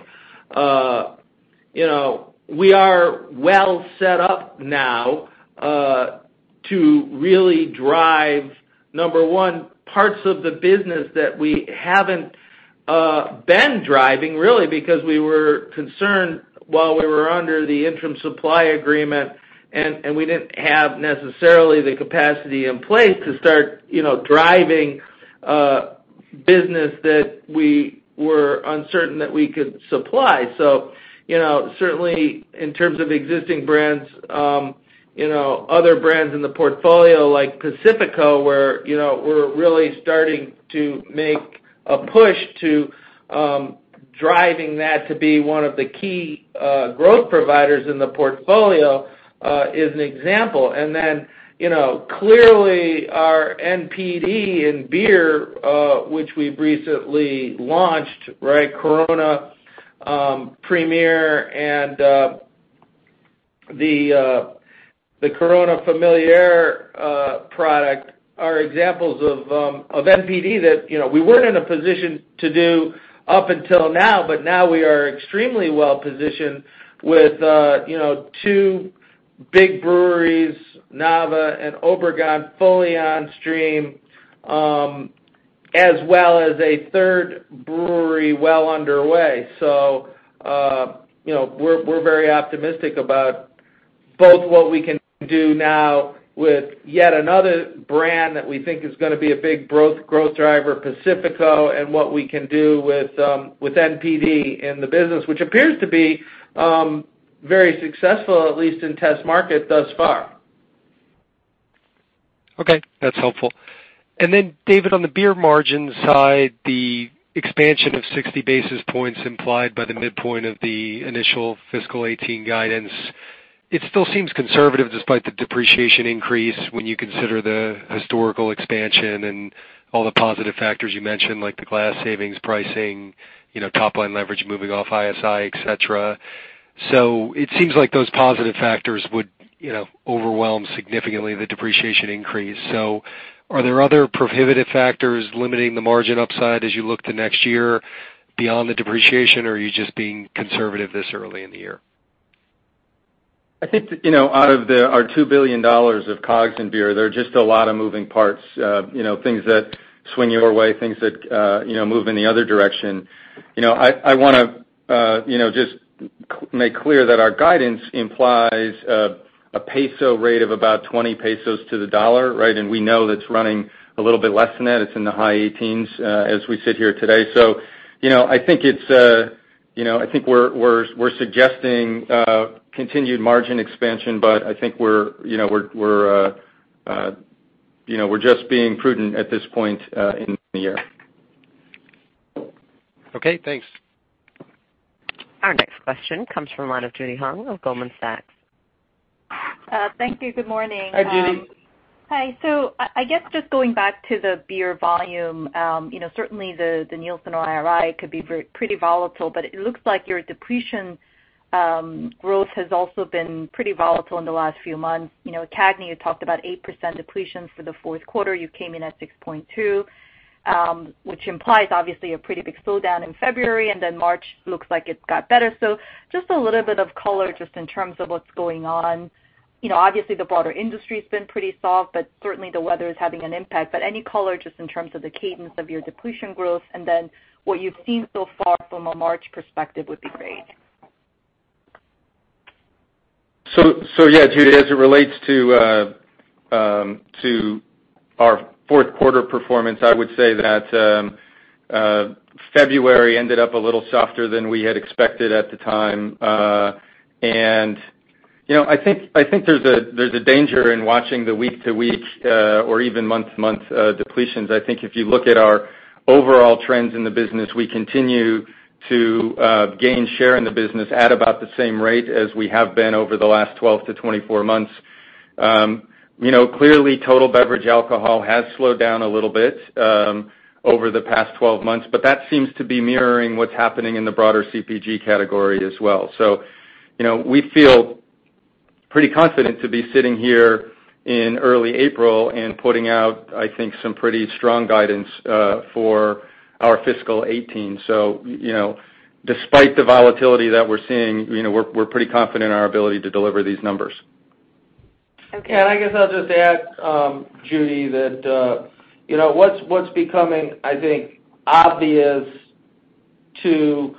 We are well set up now To really drive, number one, parts of the business that we haven't been driving really because we were concerned while we were under the interim supply agreement, and we didn't have necessarily the capacity in place to start driving business that we were uncertain that we could supply. Certainly, in terms of existing brands, other brands in the portfolio like Pacifico, where we're really starting to make a push to driving that to be one of the key growth providers in the portfolio, is an example. Then, clearly our NPD in beer, which we recently launched, Corona Premier and the Corona Familiar product are examples of NPD that we weren't in a position to do up until now. Now we are extremely well-positioned with two big breweries, Nava and Obregon, fully on stream, as well as a third brewery well underway. We're very optimistic about both what we can do now with yet another brand that we think is going to be a big growth driver, Pacifico, and what we can do with NPD in the business, which appears to be very successful, at least in test market thus far. Okay, that's helpful. Then David, on the beer margin side, the expansion of 60 basis points implied by the midpoint of the initial fiscal 2018 guidance, it still seems conservative despite the depreciation increase when you consider the historical expansion and all the positive factors you mentioned, like the glass savings pricing, top line leverage, moving off ISI, et cetera. It seems like those positive factors would overwhelm significantly the depreciation increase. Are there other prohibitive factors limiting the margin upside as you look to next year beyond the depreciation, or are you just being conservative this early in the year? I think, out of our $2 billion of COGS in beer, there are just a lot of moving parts. Things that swing your way, things that move in the other direction. I want to just make clear that our guidance implies a peso rate of about 20 pesos to the dollar, right? We know that it's running a little bit less than that. It's in the high 18s as we sit here today. I think we're suggesting continued margin expansion, I think we're just being prudent at this point in the year. Okay, thanks. Our next question comes from the line of Judy Hong of Goldman Sachs. Thank you. Good morning. Hi, Judy. I guess just going back to the beer volume, certainly the Nielsen or IRI could be pretty volatile, but it looks like your depletion growth has also been pretty volatile in the last few months. At CAGNY, you talked about 8% depletions for the fourth quarter. You came in at 6.2, which implies obviously a pretty big slowdown in February, and then March looks like it's got better. Just a little bit of color just in terms of what's going on. Obviously, the broader industry has been pretty soft, but certainly the weather is having an impact. Any color just in terms of the cadence of your depletion growth, and then what you've seen so far from a March perspective would be great. Yeah, Judy, as it relates to our fourth quarter performance, I would say that February ended up a little softer than we had expected at the time. And I think there's a danger in watching the week-to-week, or even month-to-month depletions. I think if you look at our overall trends in the business, we continue to gain share in the business at about the same rate as we have been over the last 12-24 months. Clearly, total beverage alcohol has slowed down a little bit over the past 12 months, but that seems to be mirroring what's happening in the broader CPG category as well. We feel pretty confident to be sitting here in early April and putting out, I think, some pretty strong guidance for our fiscal 2018. Despite the volatility that we're seeing, we're pretty confident in our ability to deliver these numbers. Okay. I guess I'll just add, Judy, that what's becoming, I think, obvious to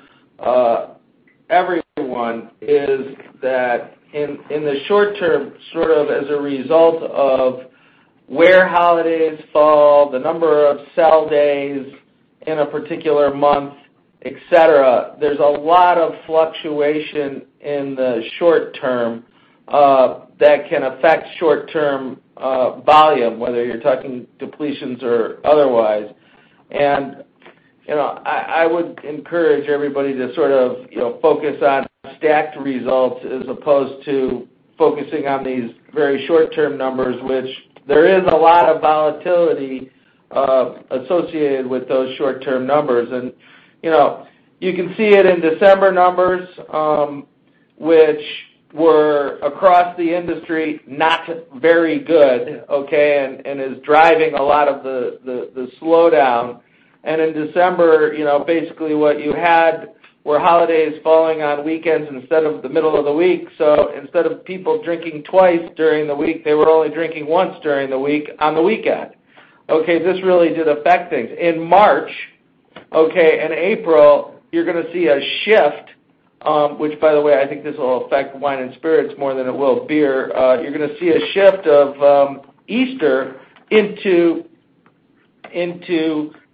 everyone is that in the short term, sort of as a result of where holidays fall, the number of sell days in a particular month, et cetera, there's a lot of fluctuation in the short term that can affect short-term volume, whether you're talking depletions or otherwise. I would encourage everybody to sort of focus on stacked results as opposed to focusing on these very short-term numbers, which there is a lot of volatility associated with those short-term numbers. You can see it in December numbers, which were across the industry, not very good. Is driving a lot of the slowdown. In December, basically what you had were holidays falling on weekends instead of the middle of the week. Instead of people drinking twice during the week, they were only drinking once during the week on the weekend. This really did affect things. In March, and April, you're going to see a shift, which by the way, I think this will affect wine and spirits more than it will beer. You're going to see a shift of Easter into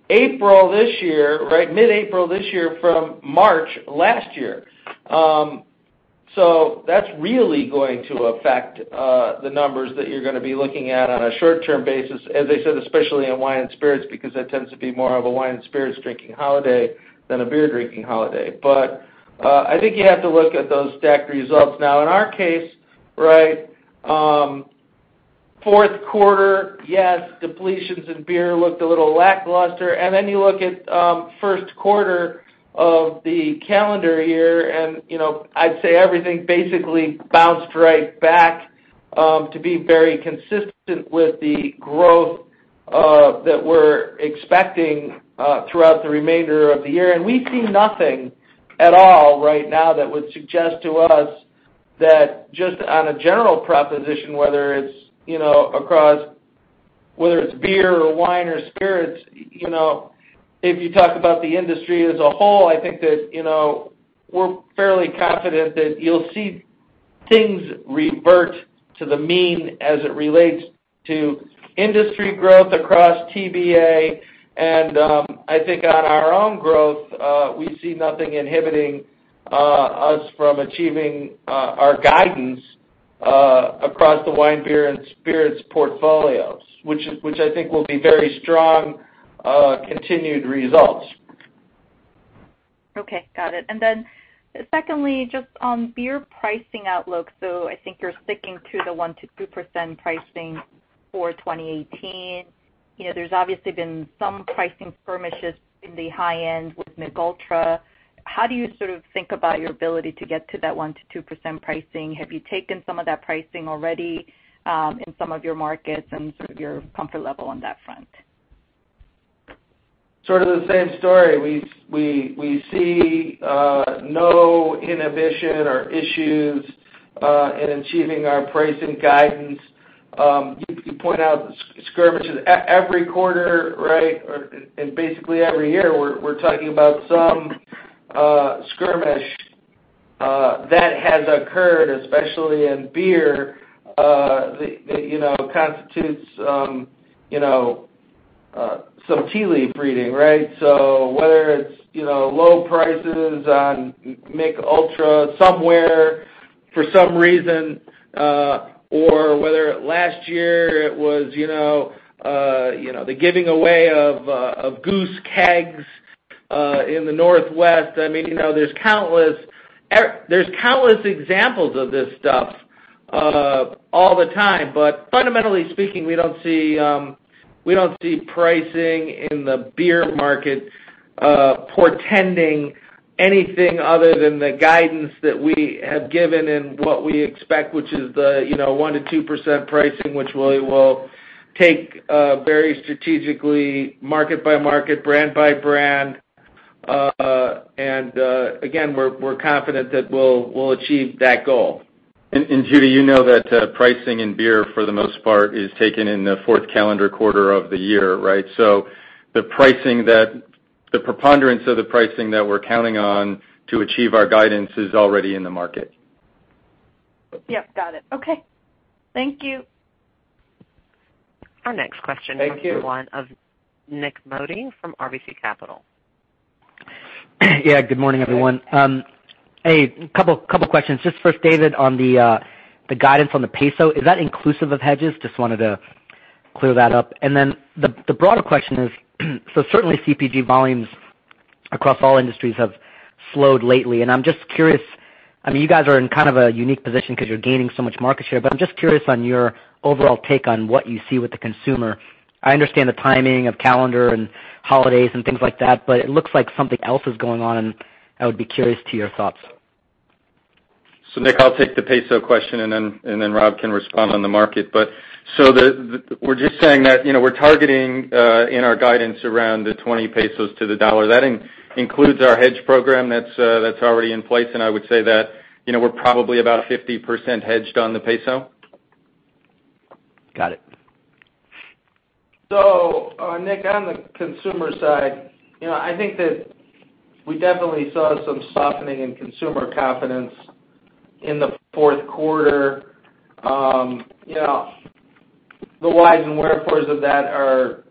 April this year, right? Mid-April this year from March last year. That's really going to affect the numbers that you're going to be looking at on a short-term basis, as I said, especially in wine and spirits, because that tends to be more of a wine and spirits drinking holiday than a beer drinking holiday. I think you have to look at those stacked results. In our case, fourth quarter, yes, depletions in beer looked a little lackluster. You look at first quarter of the calendar year, and I'd say everything basically bounced right back to be very consistent with the growth that we're expecting throughout the remainder of the year. We see nothing at all right now that would suggest to us that just on a general proposition, whether it's beer or wine or spirits, if you talk about the industry as a whole, I think that we're fairly confident that you'll see things revert to the mean as it relates to industry growth across TBA. I think on our own growth, we see nothing inhibiting us from achieving our guidance across the wine, beer, and spirits portfolios, which I think will be very strong, continued results. Got it. Secondly, just on beer pricing outlook. I think you're sticking to the 1%-2% pricing for 2018. There's obviously been some pricing skirmishes in the high end with Michelob Ultra. How do you sort of think about your ability to get to that 1%-2% pricing? Have you taken some of that pricing already in some of your markets and sort of your comfort level on that front? Sort of the same story. We see no inhibition or issues in achieving our pricing guidance. You point out skirmishes every quarter, right? Every year, we're talking about some skirmish that has occurred, especially in beer, that constitutes some tea leaf reading, right? Whether it's low prices on Miche Ultra somewhere for some reason, or whether last year it was the giving away of Goose kegs in the Northwest. There's countless examples of this stuff all the time. Fundamentally speaking, we don't see pricing in the beer market portending anything other than the guidance that we have given and what we expect, which is the 1%-2% pricing, which really will take very strategically market by market, brand by brand. Again, we're confident that we'll achieve that goal. Judy, you know that pricing in beer, for the most part, is taken in the fourth calendar quarter of the year, right? The preponderance of the pricing that we're counting on to achieve our guidance is already in the market. Yep, got it. Okay. Thank you. Our next question- Thank you comes from the line of Nik Modi from RBC Capital. Good morning, everyone. A couple of questions. Just first, David, on the guidance on the peso. Is that inclusive of hedges? Just wanted to clear that up. The broader question is, certainly CPG volumes across all industries have slowed lately, I'm just curious, you guys are in kind of a unique position because you're gaining so much market share, I'm just curious on your overall take on what you see with the consumer. I understand the timing of calendar and holidays and things like that, but it looks like something else is going on, I would be curious to your thoughts. Nik, I'll take the peso question, then Rob can respond on the market. We're just saying that we're targeting in our guidance around the 20 pesos to the dollar. That includes our hedge program that's already in place, I would say that we're probably about 50% hedged on the peso. Got it. Nik, on the consumer side, I think that we definitely saw some softening in consumer confidence in the fourth quarter. The whys and wherefores of that are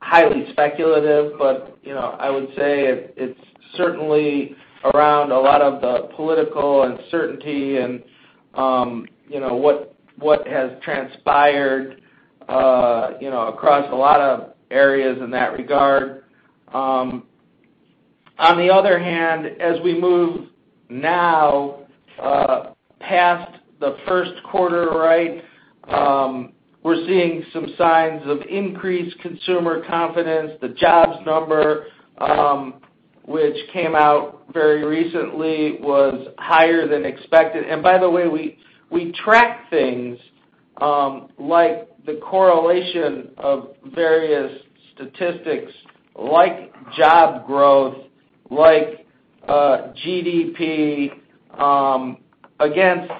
highly speculative, I would say it's certainly around a lot of the political uncertainty and what has transpired across a lot of areas in that regard. On the other hand, as we move now past the first quarter, right? We're seeing some signs of increased consumer confidence. The jobs number Which came out very recently, was higher than expected. By the way, we track things like the correlation of various statistics like job growth, like GDP, against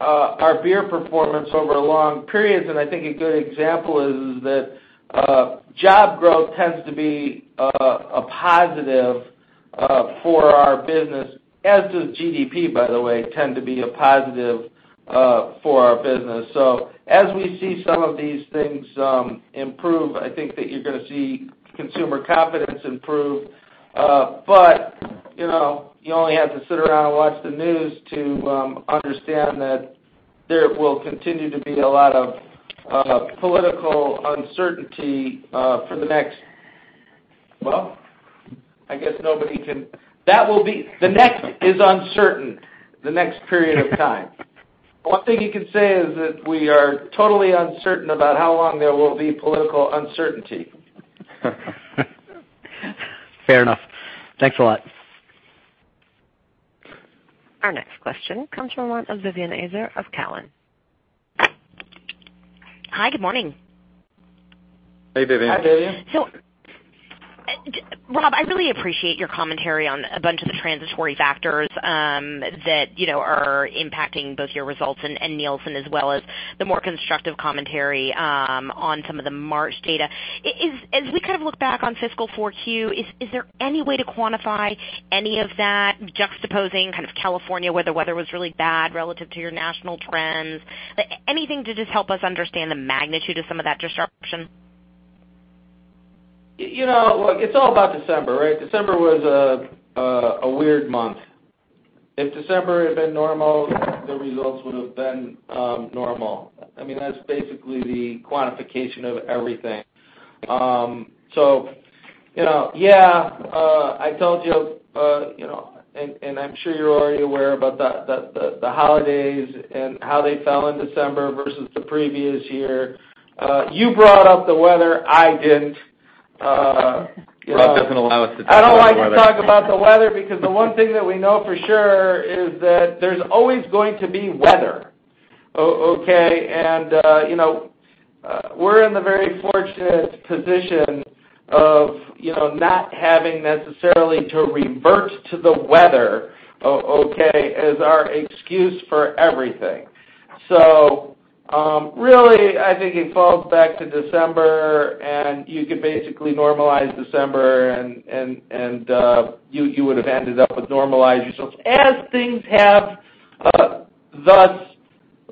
our beer performance over long periods. I think a good example is that job growth tends to be a positive for our business, as does GDP, by the way, tend to be a positive for our business. As we see some of these things improve, I think that you're going to see consumer confidence improve. You only have to sit around and watch the news to understand that there will continue to be a lot of political uncertainty for the next. Well, I guess nobody can. The next is uncertain, the next period of time. One thing you can say is that we are totally uncertain about how long there will be political uncertainty. Fair enough. Thanks a lot. Our next question comes from the line of Vivien Azer of Cowen. Hi, good morning. Hey, Vivien. Hi, Vivien. Rob, I really appreciate your commentary on a bunch of the transitory factors that are impacting both your results and Nielsen, as well as the more constructive commentary on some of the March data. As we look back on fiscal 4Q, is there any way to quantify any of that juxtaposing kind of California, where the weather was really bad relative to your national trends? Anything to just help us understand the magnitude of some of that disruption? Look, it's all about December, right? December was a weird month. If December had been normal, the results would've been normal. I mean, that's basically the quantification of everything. Yeah, I told you, and I'm sure you're already aware about the holidays and how they fell in December versus the previous year. You brought up the weather, I didn't. Rob doesn't allow us to talk about the weather. I don't like to talk about the weather, because the one thing that we know for sure is that there's always going to be weather, okay? We're in the very fortunate position of not having necessarily to revert to the weather, okay, as our excuse for everything. Really, I think it falls back to December, and you could basically normalize December and you would've ended up with normalized results, as things have thus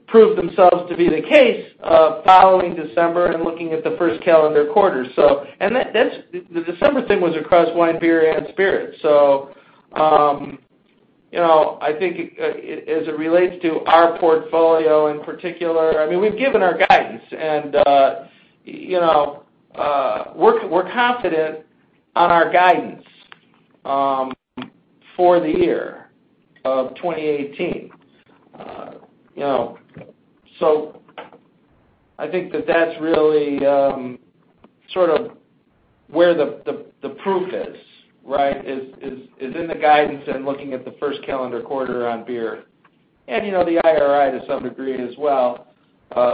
proved themselves to be the case following December and looking at the first calendar quarter. The December thing was across wine, beer, and spirits. I think that that's really sort of where the proof is, right? Is in the guidance and looking at the first calendar quarter on beer. The IRI to some degree as well,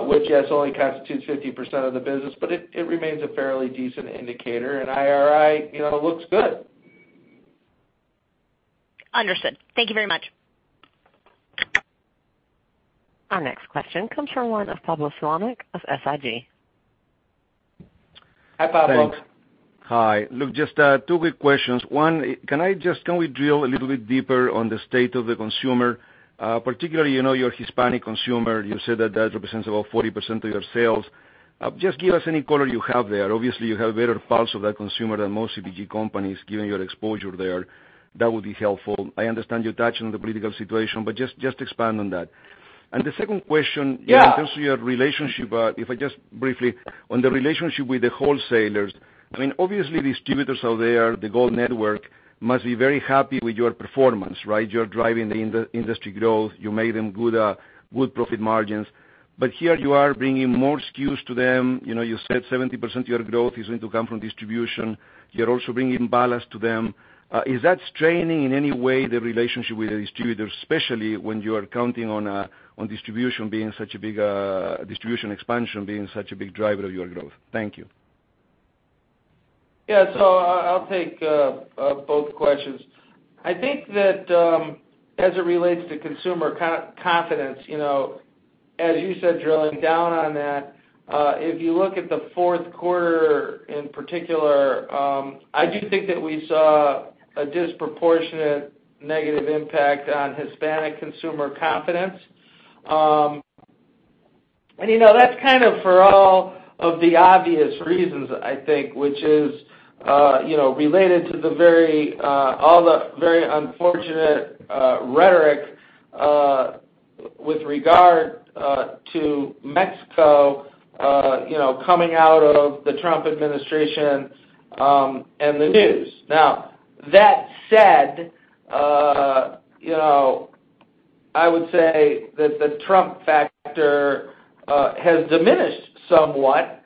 which yes, only constitutes 50% of the business, but it remains a fairly decent indicator. IRI looks good. Understood. Thank you very much. Our next question comes from the line of Pablo Zuanic of SIG. Hi, Pablo. Thanks. Hi. Look, just two quick questions. One, can we drill a little bit deeper on the state of the consumer, particularly your Hispanic consumer? You said that that represents about 40% of your sales. Just give us any color you have there. Obviously, you have better pulse of that consumer than most CPG companies, given your exposure there. That would be helpful. I understand you touched on the political situation, just expand on that. The second question- Yeah In terms of your relationship, if I just briefly, on the relationship with the wholesalers. Obviously, distributors are there. The Gold network must be very happy with your performance, right? You're driving the industry growth. You made them good profit margins. Here you are bringing more SKUs to them. You said 70% of your growth is going to come from distribution. You're also bringing balance to them. Is that straining in any way the relationship with the distributors, especially when you are counting on distribution expansion being such a big driver of your growth? Thank you. Yeah. I'll take both questions. I think that as it relates to consumer confidence, as you said, drilling down on that, if you look at the fourth quarter in particular, I do think that we saw a disproportionate negative impact on Hispanic consumer confidence. That's kind of for all of the obvious reasons, I think, which is related to all the very unfortunate rhetoric with regard to Mexico coming out of the Trump administration and the news. That said, I would say that the Trump factor has diminished somewhat.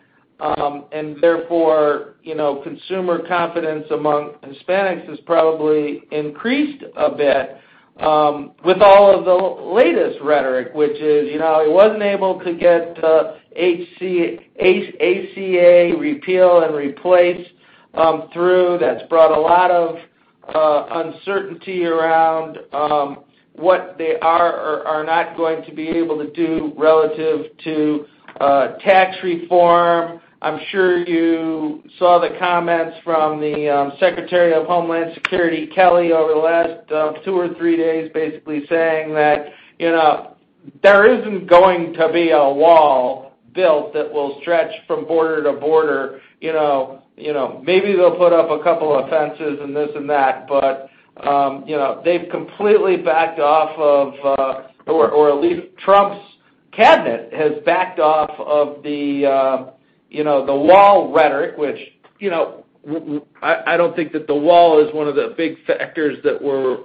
Therefore, consumer confidence among Hispanics has probably increased a bit with all of the latest rhetoric, which is, he wasn't able to get the ACA repeal and replace through. That's brought a lot of uncertainty around what they are or are not going to be able to do relative to tax reform. I'm sure you saw the comments from the Secretary of Homeland Security, Kelly, over the last two or three days, basically saying that there isn't going to be a wall built that will stretch from border to border. Maybe they'll put up a couple of fences and this and that, they've completely backed off of or at least Trump's cabinet has backed off of the wall rhetoric, which I don't think that the wall is one of the big factors that we're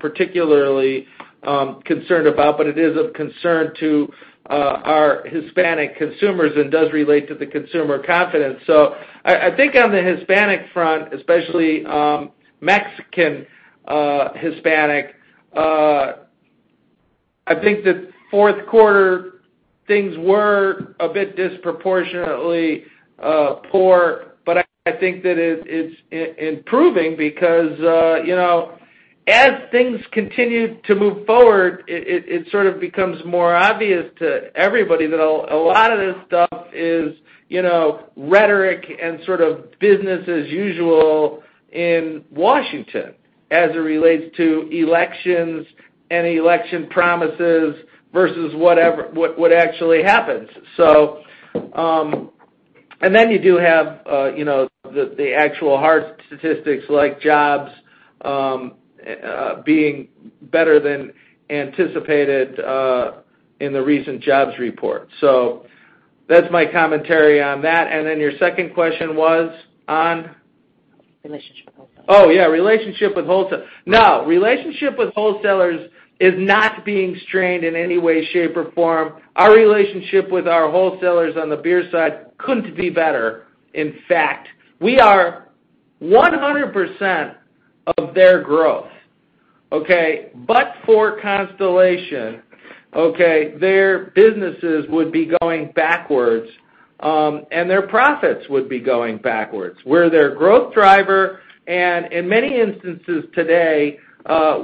particularly concerned about, it is of concern to our Hispanic consumers and does relate to the consumer confidence. I think on the Hispanic front, especially Mexican Hispanic, I think that fourth quarter things were a bit disproportionately poor, I think that it's improving because as things continue to move forward, it sort of becomes more obvious to everybody that a lot of this stuff is rhetoric and sort of business as usual in Washington as it relates to elections and election promises versus what actually happens. Then you do have the actual hard statistics like jobs being better than anticipated in the recent jobs report. That's my commentary on that. Then your second question was on? Relationship with wholesalers. Oh, yeah, relationship with wholesalers. Relationship with wholesalers is not being strained in any way, shape, or form. Our relationship with our wholesalers on the beer side couldn't be better. In fact, we are 100% of their growth. For Constellation, their businesses would be going backwards, and their profits would be going backwards. We're their growth driver, and in many instances today,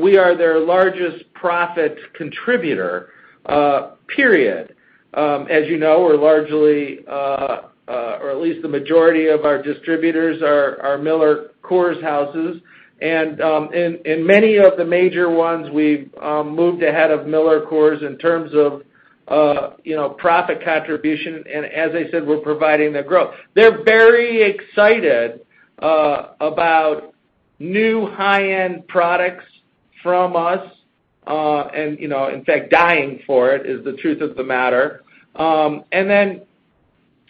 we are their largest profit contributor, period. As you know, we're largely, or at least the majority of our distributors are MillerCoors houses. In many of the major ones, we've moved ahead of MillerCoors in terms of profit contribution, and as I said, we're providing the growth. They're very excited about new high-end products from us, in fact, dying for it is the truth of the matter.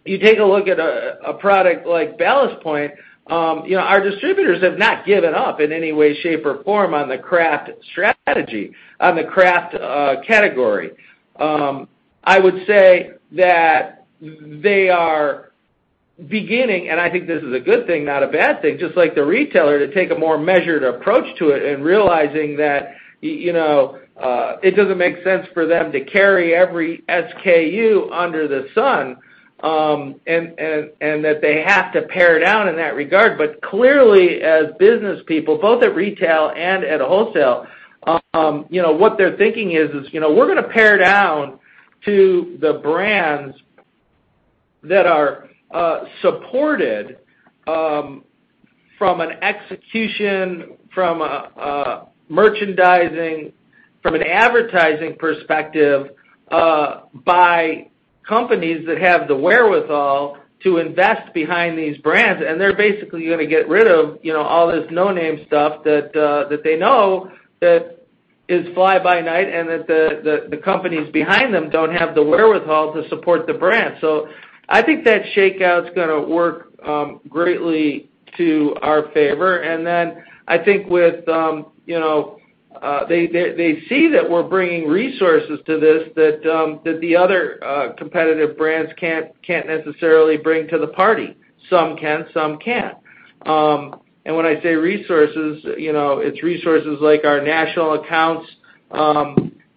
You take a look at a product like Ballast Point. Our distributors have not given up in any way, shape, or form on the craft strategy, on the craft category. I would say that they are beginning, and I think this is a good thing, not a bad thing, just like the retailer, to take a more measured approach to it and realizing that it doesn't make sense for them to carry every SKU under the sun, and that they have to pare down in that regard. Clearly, as business people, both at retail and at wholesale, what they're thinking is, we're going to pare down to the brands that are supported from an execution, from a merchandising, from an advertising perspective by companies that have the wherewithal to invest behind these brands. They're basically going to get rid of all this no-name stuff that they know that is fly by night and that the companies behind them don't have the wherewithal to support the brand. I think that shakeout's going to work greatly to our favor. I think they see that we're bringing resources to this that the other competitive brands can't necessarily bring to the party. Some can, some can't. When I say resources, it's resources like our national accounts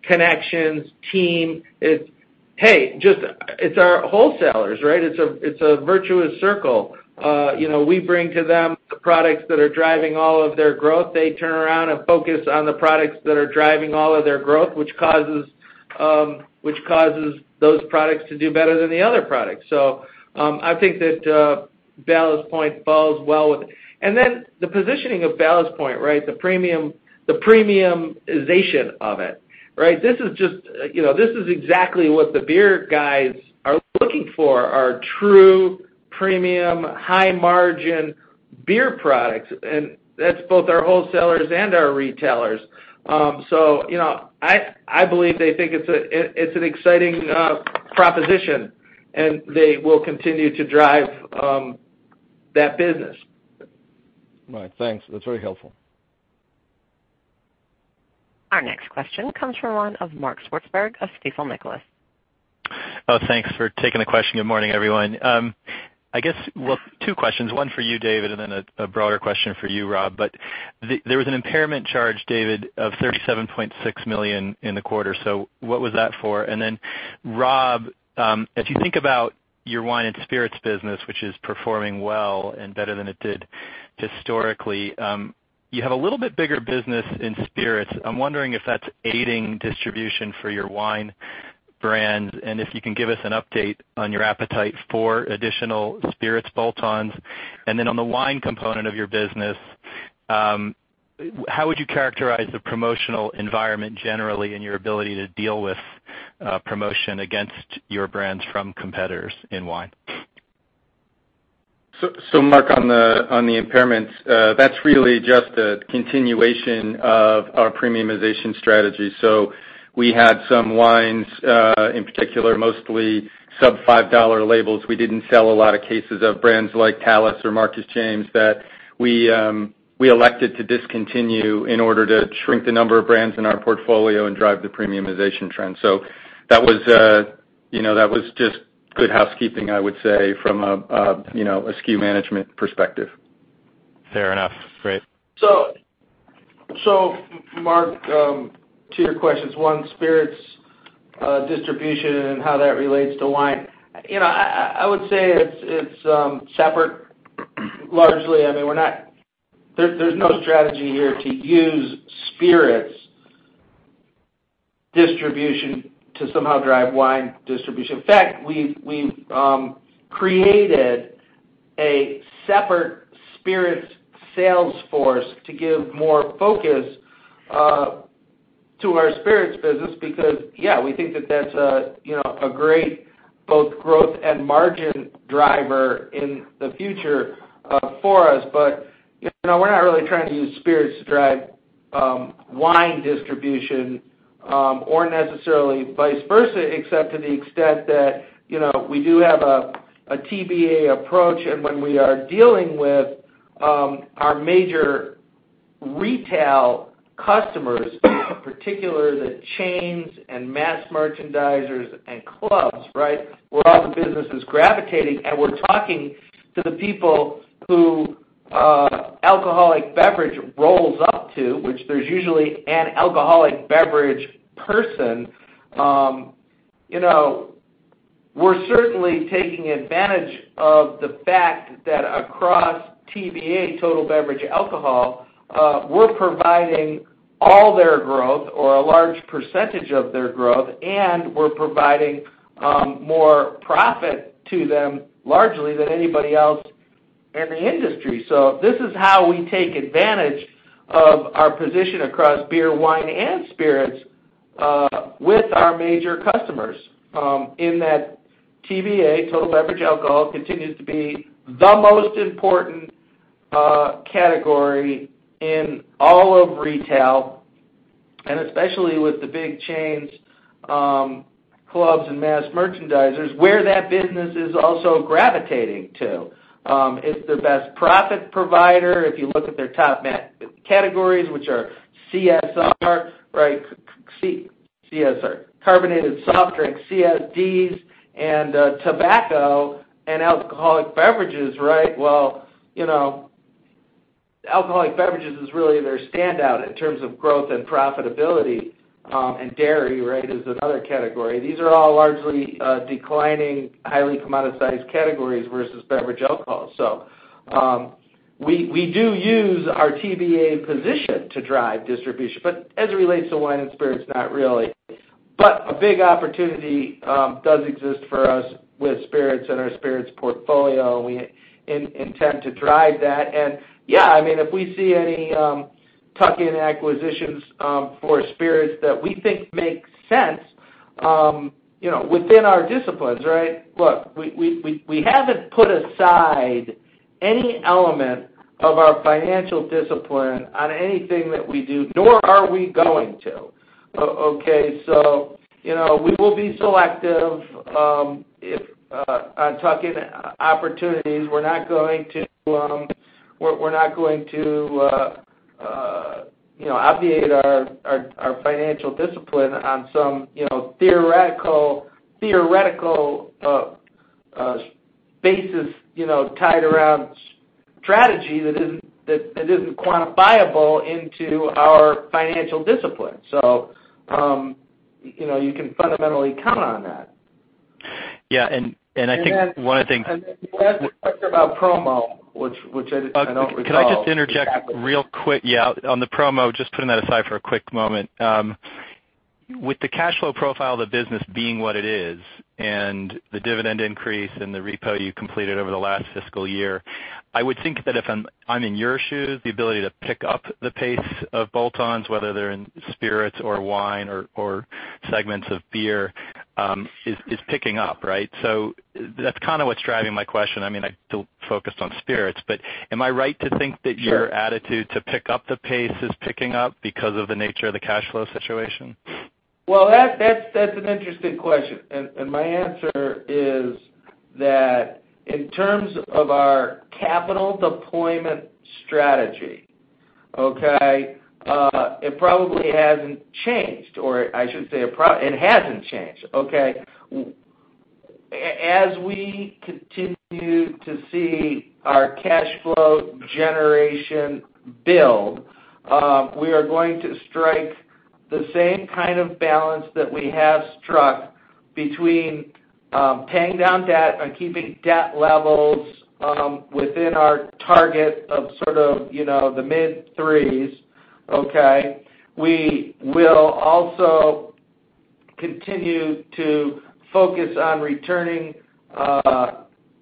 connections team. Hey, it's our wholesalers, right? It's a virtuous circle. We bring to them the products that are driving all of their growth. They turn around and focus on the products that are driving all of their growth, which causes those products to do better than the other products. I think that Ballast Point falls well with it. The positioning of Ballast Point, the premiumization of it. This is exactly what the beer guys are looking for, are true premium, high margin beer products, and that's both our wholesalers and our retailers. I believe they think it's an exciting proposition, and they will continue to drive that business. Right. Thanks. That's very helpful. Our next question comes from one of Mark Swartzberg of Stifel Nicolaus. Thanks for taking the question. Good morning, everyone. I guess, well, two questions, one for you, David, a broader question for you, Rob. There was an impairment charge, David, of $37.6 million in the quarter, what was that for? Rob, if you think about your wine and spirits business, which is performing well and better than it did historically, you have a little bit bigger business in spirits. I'm wondering if that's aiding distribution for your wine brands, and if you can give us an update on your appetite for additional spirits bolt-ons. On the wine component of your business, how would you characterize the promotional environment generally and your ability to deal with promotion against your brands from competitors in wine? Mark, on the impairments, that's really just a continuation of our premiumization strategy. We had some wines, in particular, mostly sub $5 labels. We didn't sell a lot of cases of brands like Talus or Marcus James that we elected to discontinue in order to shrink the number of brands in our portfolio and drive the premiumization trend. That was just good housekeeping, I would say from a SKU management perspective. Fair enough. Great. Mark, to your questions. One, spirits distribution and how that relates to wine. I would say it's separate, largely. There's no strategy here to use spirits distribution to somehow drive wine distribution. In fact, we've created a separate spirits sales force to give more focus to our spirits business because, yeah, we think that that's a great both growth and margin driver in the future for us. We're not really trying to use spirits to drive wine distribution, or necessarily vice versa, except to the extent that we do have a TBA approach. When we are dealing with our major retail customers, in particular, the chains and mass merchandisers and clubs, right? Where all the business is gravitating, and we're talking to the people who alcoholic beverage rolls up to, which there's usually an alcoholic beverage person. We're certainly taking advantage of the fact that across TBA, Total Beverage Alcohol, we're providing all their growth or a large percentage of their growth, and we're providing more profit to them largely than anybody else in the industry. This is how we take advantage of our position across beer, wine, and spirits, with our major customers, in that TBA, Total Beverage Alcohol, continues to be the most important category in all of retail, and especially with the big chains, clubs, and mass merchandisers, where that business is also gravitating to. It's the best profit provider. If you look at their top net categories, which are CSD, right? CSD, carbonated soft drink, CSDs, and tobacco, and alcoholic beverages, right? Alcoholic beverages is really their standout in terms of growth and profitability, and dairy, right, is another category. These are all largely declining, highly commoditized categories versus beverage alcohol. We do use our TBA position to drive distribution, but as it relates to wine and spirits, not really. A big opportunity does exist for us with spirits and our spirits portfolio, and we intend to drive that. Yeah, if we see any tuck-in acquisitions for spirits that we think make sense within our disciplines, right? Look, we haven't put aside any element of our financial discipline on anything that we do, nor are we going to. We will be selective, on tuck-in opportunities. We're not going to obviate our financial discipline on some theoretical basis, tied around strategy that isn't quantifiable into our financial discipline. You can fundamentally count on that. Yeah, I think one of the things- Then you asked a question about promo, which I don't recall. Can I just interject real quick? Yeah, on the promo, just putting that aside for a quick moment. With the cash flow profile of the business being what it is, and the dividend increase and the repo you completed over the last fiscal year, I would think that if I'm in your shoes, the ability to pick up the pace of bolt-ons, whether they're in spirits or wine or segments of beer, is picking up, right? That's kind of what's driving my question. I still focused on spirits, am I right to think that your attitude to pick up the pace is picking up because of the nature of the cash flow situation? Well, that's an interesting question, my answer is that in terms of our capital deployment strategy, okay, it probably hasn't changed, or I should say it hasn't changed, okay? As we continue to see our cash flow generation build, we are going to strike the same kind of balance that we have struck between paying down debt and keeping debt levels within our target of sort of the mid threes, okay? We will also continue to focus on returning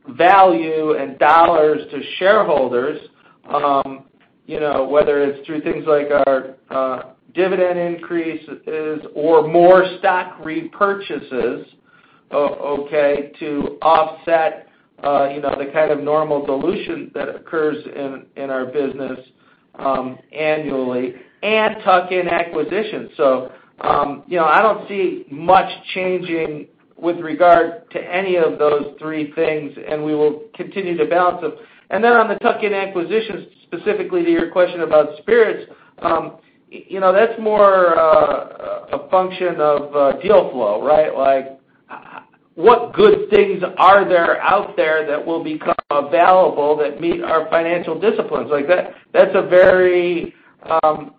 value and dollars to shareholders, whether it's through things like our dividend increases or more stock repurchases, okay, to offset the kind of normal dilution that occurs in our business annually, and tuck-in acquisitions. I don't see much changing with regard to any of those three things, and we will continue to balance them. On the tuck-in acquisitions, specifically to your question about spirits, that's more a function of deal flow, right? What good things are there out there that will become available that meet our financial disciplines? That's a very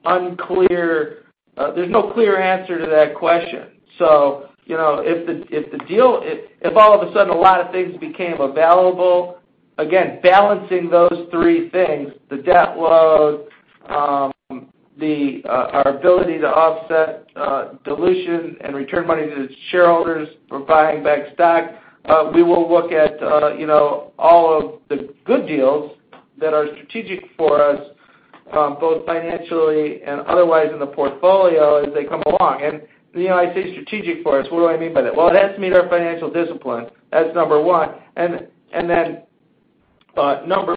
unclear, there's no clear answer to that question. If all of a sudden a lot of things became available, again, balancing those three things, the debt load, our ability to offset dilution and return money to the shareholders for buying back stock, we will look at all of the good deals that are strategic for us, both financially and otherwise in the portfolio as they come along. I say strategic for us. What do I mean by that? Well, it has to meet our financial discipline. That's number one. Number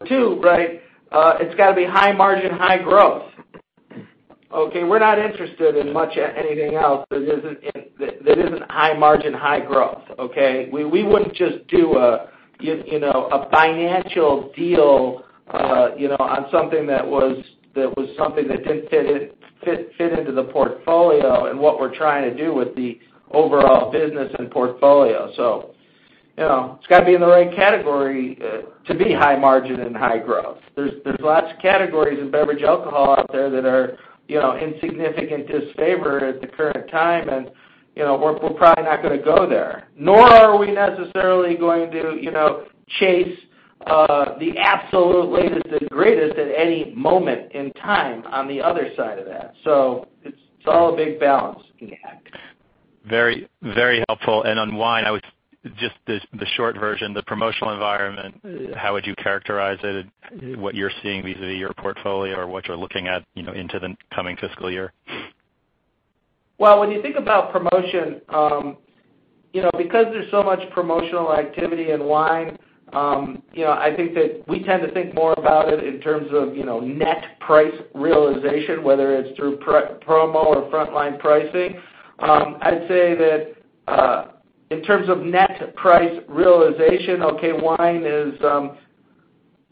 two, right? It's got to be high margin, high growth, okay? We're not interested in much anything else that isn't high margin, high growth, okay? We wouldn't just do a financial deal on something that didn't fit into the portfolio and what we're trying to do with the overall business and portfolio. It's got to be in the right category to be high margin and high growth. There's lots of categories in beverage alcohol out there that are in significant disfavor at the current time, and we're probably not going to go there, nor are we necessarily going to chase the absolute latest and greatest at any moment in time on the other side of that. It's all a big balance. Yeah. Very helpful. On wine, just the short version, the promotional environment, how would you characterize it, what you're seeing vis-a-vis your portfolio or what you're looking at into the coming fiscal year? Well, when you think about promotion, because there's so much promotional activity in wine, I think that we tend to think more about it in terms of net price realization, whether it's through promo or frontline pricing. I'd say that, in terms of net price realization, okay, wine is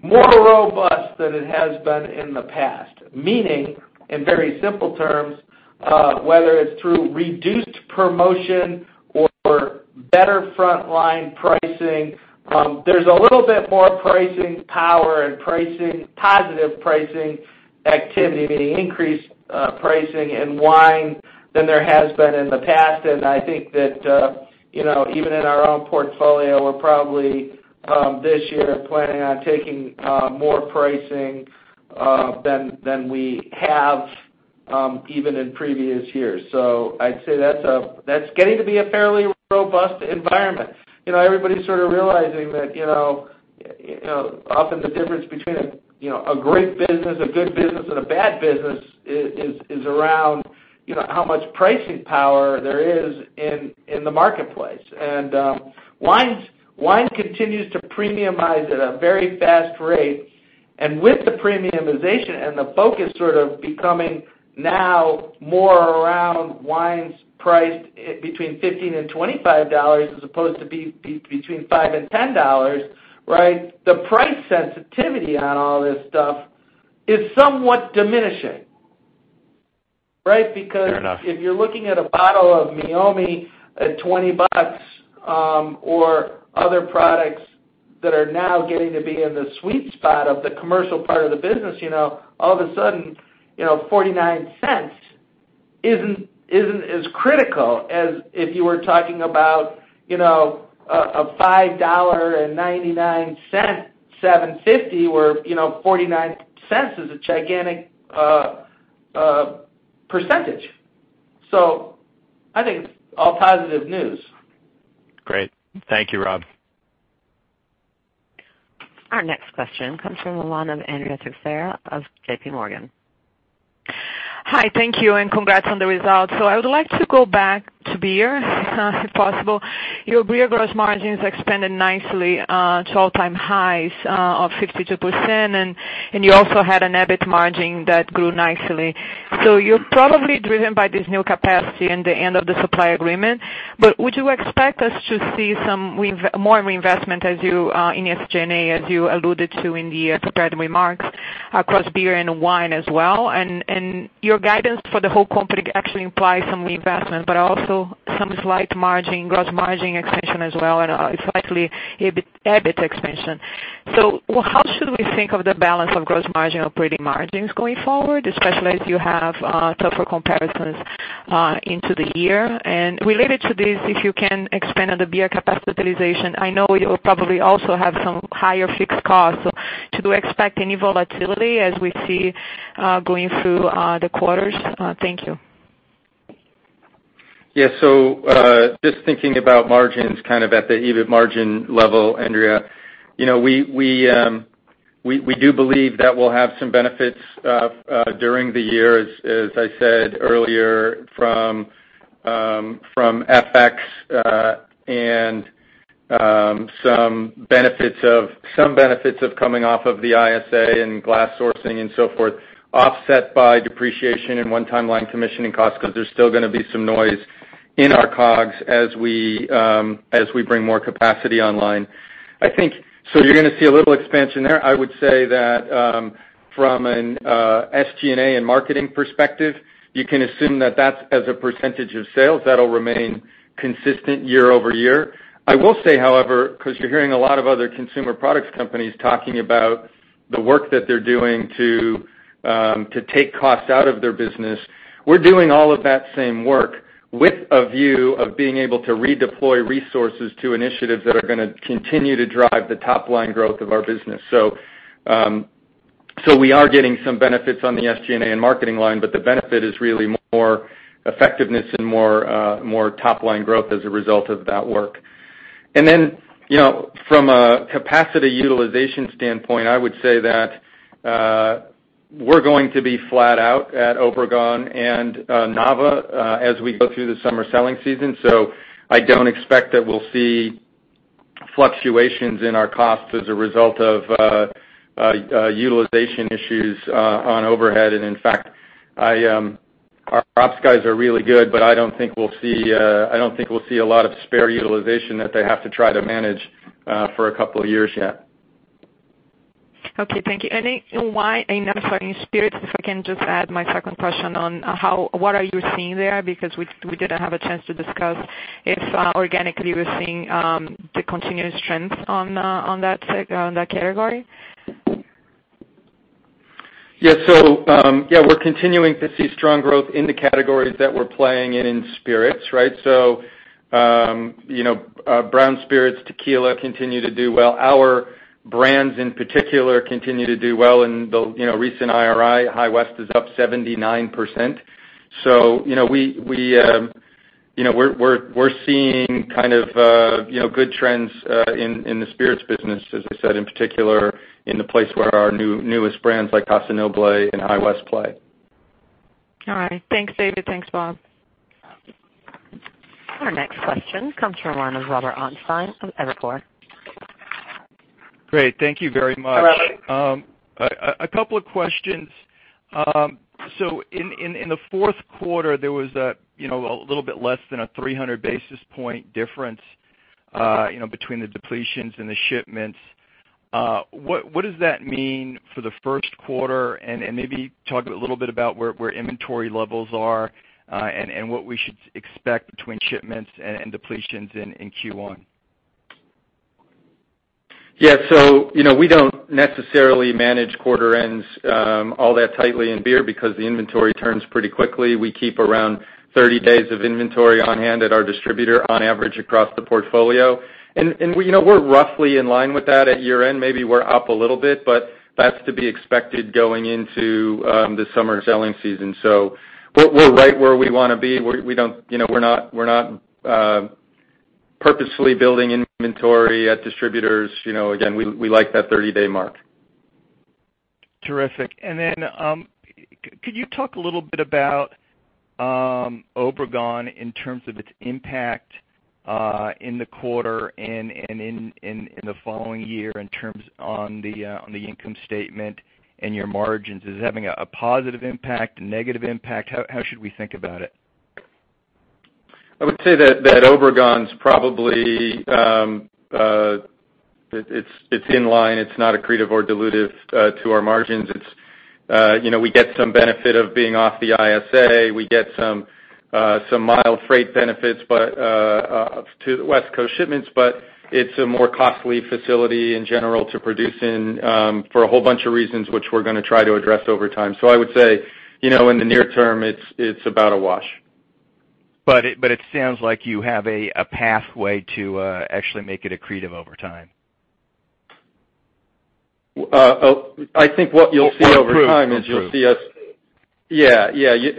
more robust than it has been in the past. Meaning, in very simple terms, whether it's through reduced promotion or better frontline pricing, there's a little bit more pricing power and positive pricing activity, meaning increased pricing in wine than there has been in the past. I think that even in our own portfolio, we're probably, this year, planning on taking more pricing than we have even in previous years. I'd say that's getting to be a fairly robust environment. Everybody's sort of realizing that often the difference between a great business, a good business, and a bad business is around how much pricing power there is in the marketplace. Wine continues to premiumize at a very fast rate. With the premiumization and the focus sort of becoming now more around wines priced between $15 and $25, as opposed to between $5 and $10, right? The price sensitivity on all this stuff is somewhat diminishing, right? Fair enough. If you're looking at a bottle of Meiomi at $20, or other products that are now getting to be in the sweet spot of the commercial part of the business, all of a sudden, $0.49 isn't as critical as if you were talking about a $5.99 750 where $0.49 is a gigantic percentage. I think it's all positive news. Great. Thank you, Rob. Our next question comes from the line of Andrea Teixeira of JPMorgan. Hi, thank you, and congrats on the results. I would like to go back to beer, if possible. Your beer gross margins expanded nicely to all-time highs of 52%, and you also had an EBIT margin that grew nicely. You're probably driven by this new capacity in the end of the supply agreement. Would you expect us to see some more reinvestment, in SG&A, as you alluded to in the prepared remarks, across beer and wine as well? Your guidance for the whole company actually implies some reinvestment, but also some slight gross margin expansion as well, and slightly EBIT expansion. How should we think of the balance of gross margin, operating margins going forward, especially if you have tougher comparisons into the year? Related to this, if you can expand on the beer capitalization, I know you'll probably also have some higher fixed costs. Should we expect any volatility as we see going through the quarters? Thank you. Yeah. Just thinking about margins kind of at the EBIT margin level, Andrea, we do believe that we'll have some benefits during the year, as I said earlier, from FX, and some benefits of coming off of the ISA and glass sourcing and so forth, offset by depreciation and one-time line commissioning costs, because there's still gonna be some noise in our COGS as we bring more capacity online. I think, you're gonna see a little expansion there. I would say that, from an SG&A and marketing perspective, you can assume that that's as a percentage of sales, that'll remain consistent year-over-year. I will say, however, because you're hearing a lot of other consumer products companies talking about the work that they're doing to take costs out of their business. We're doing all of that same work with a view of being able to redeploy resources to initiatives that are gonna continue to drive the top-line growth of our business. We are getting some benefits on the SG&A and marketing line, but the benefit is really more effectiveness and more top-line growth as a result of that work. From a capacity utilization standpoint, I would say that we're going to be flat out at Obregon and Nava as we go through the summer selling season. I don't expect that we'll see fluctuations in our costs as a result of utilization issues on overhead. In fact, our ops guys are really good, but I don't think we'll see a lot of spare utilization that they have to try to manage for a couple of years yet. Okay, thank you. Wine and I'm sorry, spirits, if I can just add my second question on what are you seeing there? Because we didn't have a chance to discuss if organically we're seeing the continuous trends on that category. Yeah. We're continuing to see strong growth in the categories that we're playing in spirits, right? Brown spirits, tequila continue to do well. Our brands in particular continue to do well, and the recent IRI, High West is up 79%. We're seeing kind of good trends, in the spirits business, as I said, in particular in the place where our newest brands like Casa Noble and High West play. All right. Thanks, David. Thanks, Rob. Our next question comes from the line of Robert Ottenstein from Evercore. Great. Thank you very much. You're welcome. A couple of questions. In the fourth quarter, there was a little bit less than a 300 basis point difference between the depletions and the shipments. What does that mean for the first quarter? Maybe talk a little bit about where inventory levels are, and what we should expect between shipments and depletions in Q1. We don't necessarily manage quarter ends all that tightly in beer because the inventory turns pretty quickly. We keep around 30 days of inventory on hand at our distributor on average across the portfolio. We're roughly in line with that at year-end. Maybe we're up a little bit, that's to be expected going into the summer selling season. We're right where we wanna be. We're not purposefully building inventory at distributors. Again, we like that 30-day mark. Terrific. Could you talk a little bit about Obregon in terms of its impact in the quarter and in the following year in terms on the income statement and your margins? Is it having a positive impact, a negative impact? How should we think about it? I would say that Obregon's probably it's in line. It's not accretive or dilutive to our margins. We get some benefit of being off the ISA. We get some mild freight benefits to the West Coast shipments, it's a more costly facility in general to produce in, for a whole bunch of reasons, which we're gonna try to address over time. I would say, in the near term, it's about a wash. It sounds like you have a pathway to actually make it accretive over time. I think what you'll see over time is you'll see us- improve. Yeah.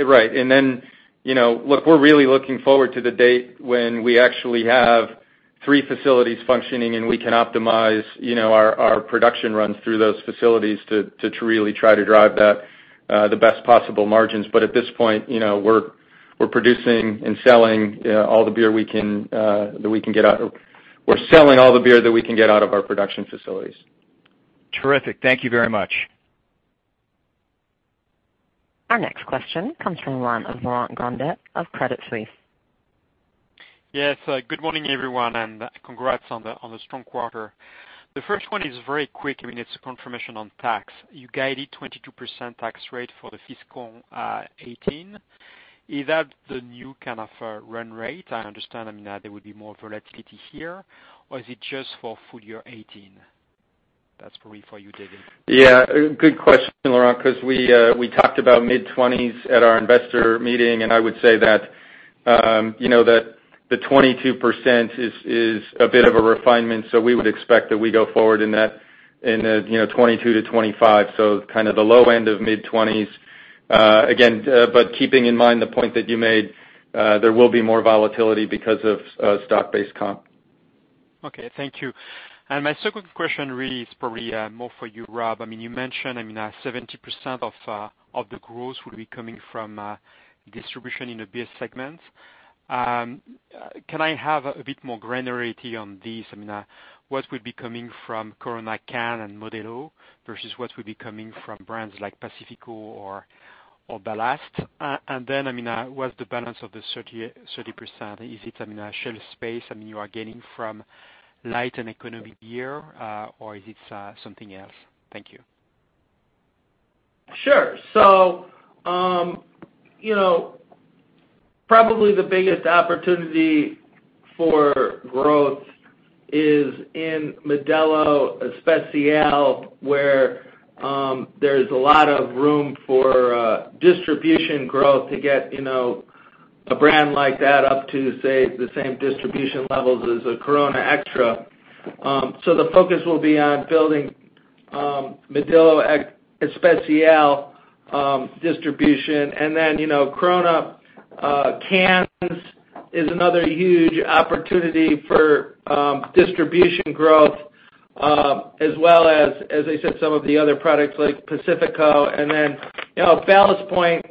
Right. Look, we're really looking forward to the date when we actually have three facilities functioning, and we can optimize our production runs through those facilities to really try to drive the best possible margins. At this point, we're producing and selling all the beer we can, We're selling all the beer that we can get out of our production facilities. Terrific. Thank you very much. Our next question comes from the line of Laurent Grandet of Credit Suisse. Yes. Good morning, everyone, and congrats on the strong quarter. The first one is very quick. It's a confirmation on tax. You guided 22% tax rate for the fiscal 2018. Is that the new kind of run rate? I understand, there would be more volatility here. Or is it just for full year 2018? That's probably for you, David. Yeah. Good question, Laurent, because we talked about mid-20s at our investor meeting, and I would say that the 22% is a bit of a refinement, so we would expect that we go forward in the 22%-25%, so kind of the low end of mid-20s. Again, but keeping in mind the point that you made, there will be more volatility because of stock-based comp. Okay, thank you. My second question really is probably more for you, Rob. You mentioned, 70% of the growth will be coming from distribution in the beer segment. Can I have a bit more granularity on this? What would be coming from Corona can and Modelo, versus what would be coming from brands like Pacifico or Ballast? What's the balance of the 30%? Is it shelf space you are gaining from light and economy beer, or is it something else? Thank you. Sure. Probably the biggest opportunity for growth is in Modelo Especial, where there's a lot of room for distribution growth to get a brand like that up to, say, the same distribution levels as a Corona Extra. The focus will be on building Modelo Especial distribution. Corona cans is another huge opportunity for distribution growth, as well as I said, some of the other products like Pacifico. Ballast Point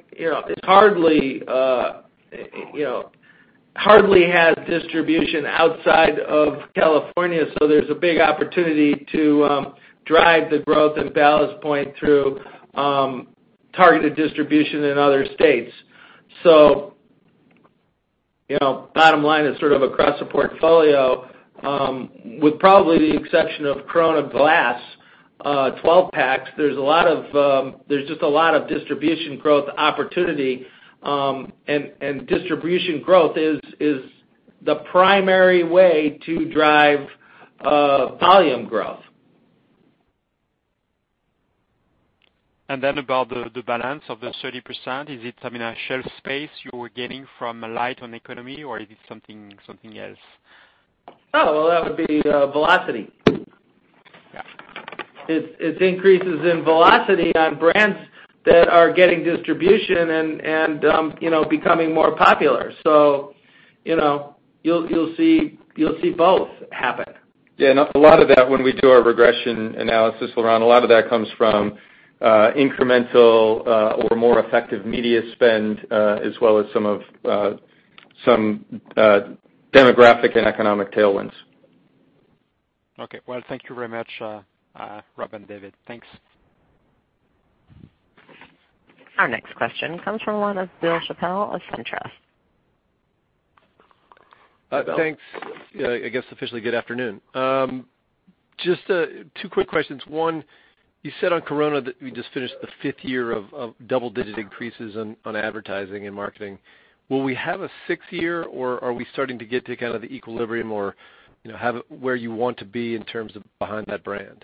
hardly has distribution outside of California, so there's a big opportunity to drive the growth in Ballast Point through targeted distribution in other states. Bottom line is sort of across the portfolio, with probably the exception of Corona glass 12-packs, there's just a lot of distribution growth opportunity. Distribution growth is the primary way to drive volume growth. About the balance of the 30%, is it shelf space you were gaining from light on economy or is it something else? Well, that would be velocity. Yeah. It's increases in velocity on brands that are getting distribution and becoming more popular. You'll see both happen. Yeah, when we do our regression analysis around, a lot of that comes from incremental or more effective media spend, as well as some demographic and economic tailwinds. Okay. Well, thank you very much, Rob and David. Thanks. Our next question comes from the line of Bill Chappell of SunTrust Robinson Humphrey. Thanks. I guess officially good afternoon. Just two quick questions. One, you said on Corona that you just finished the fifth year of double-digit increases on advertising and marketing. Will we have a sixth year, or are we starting to get to kind of the equilibrium or have it where you want to be in terms of behind that brand?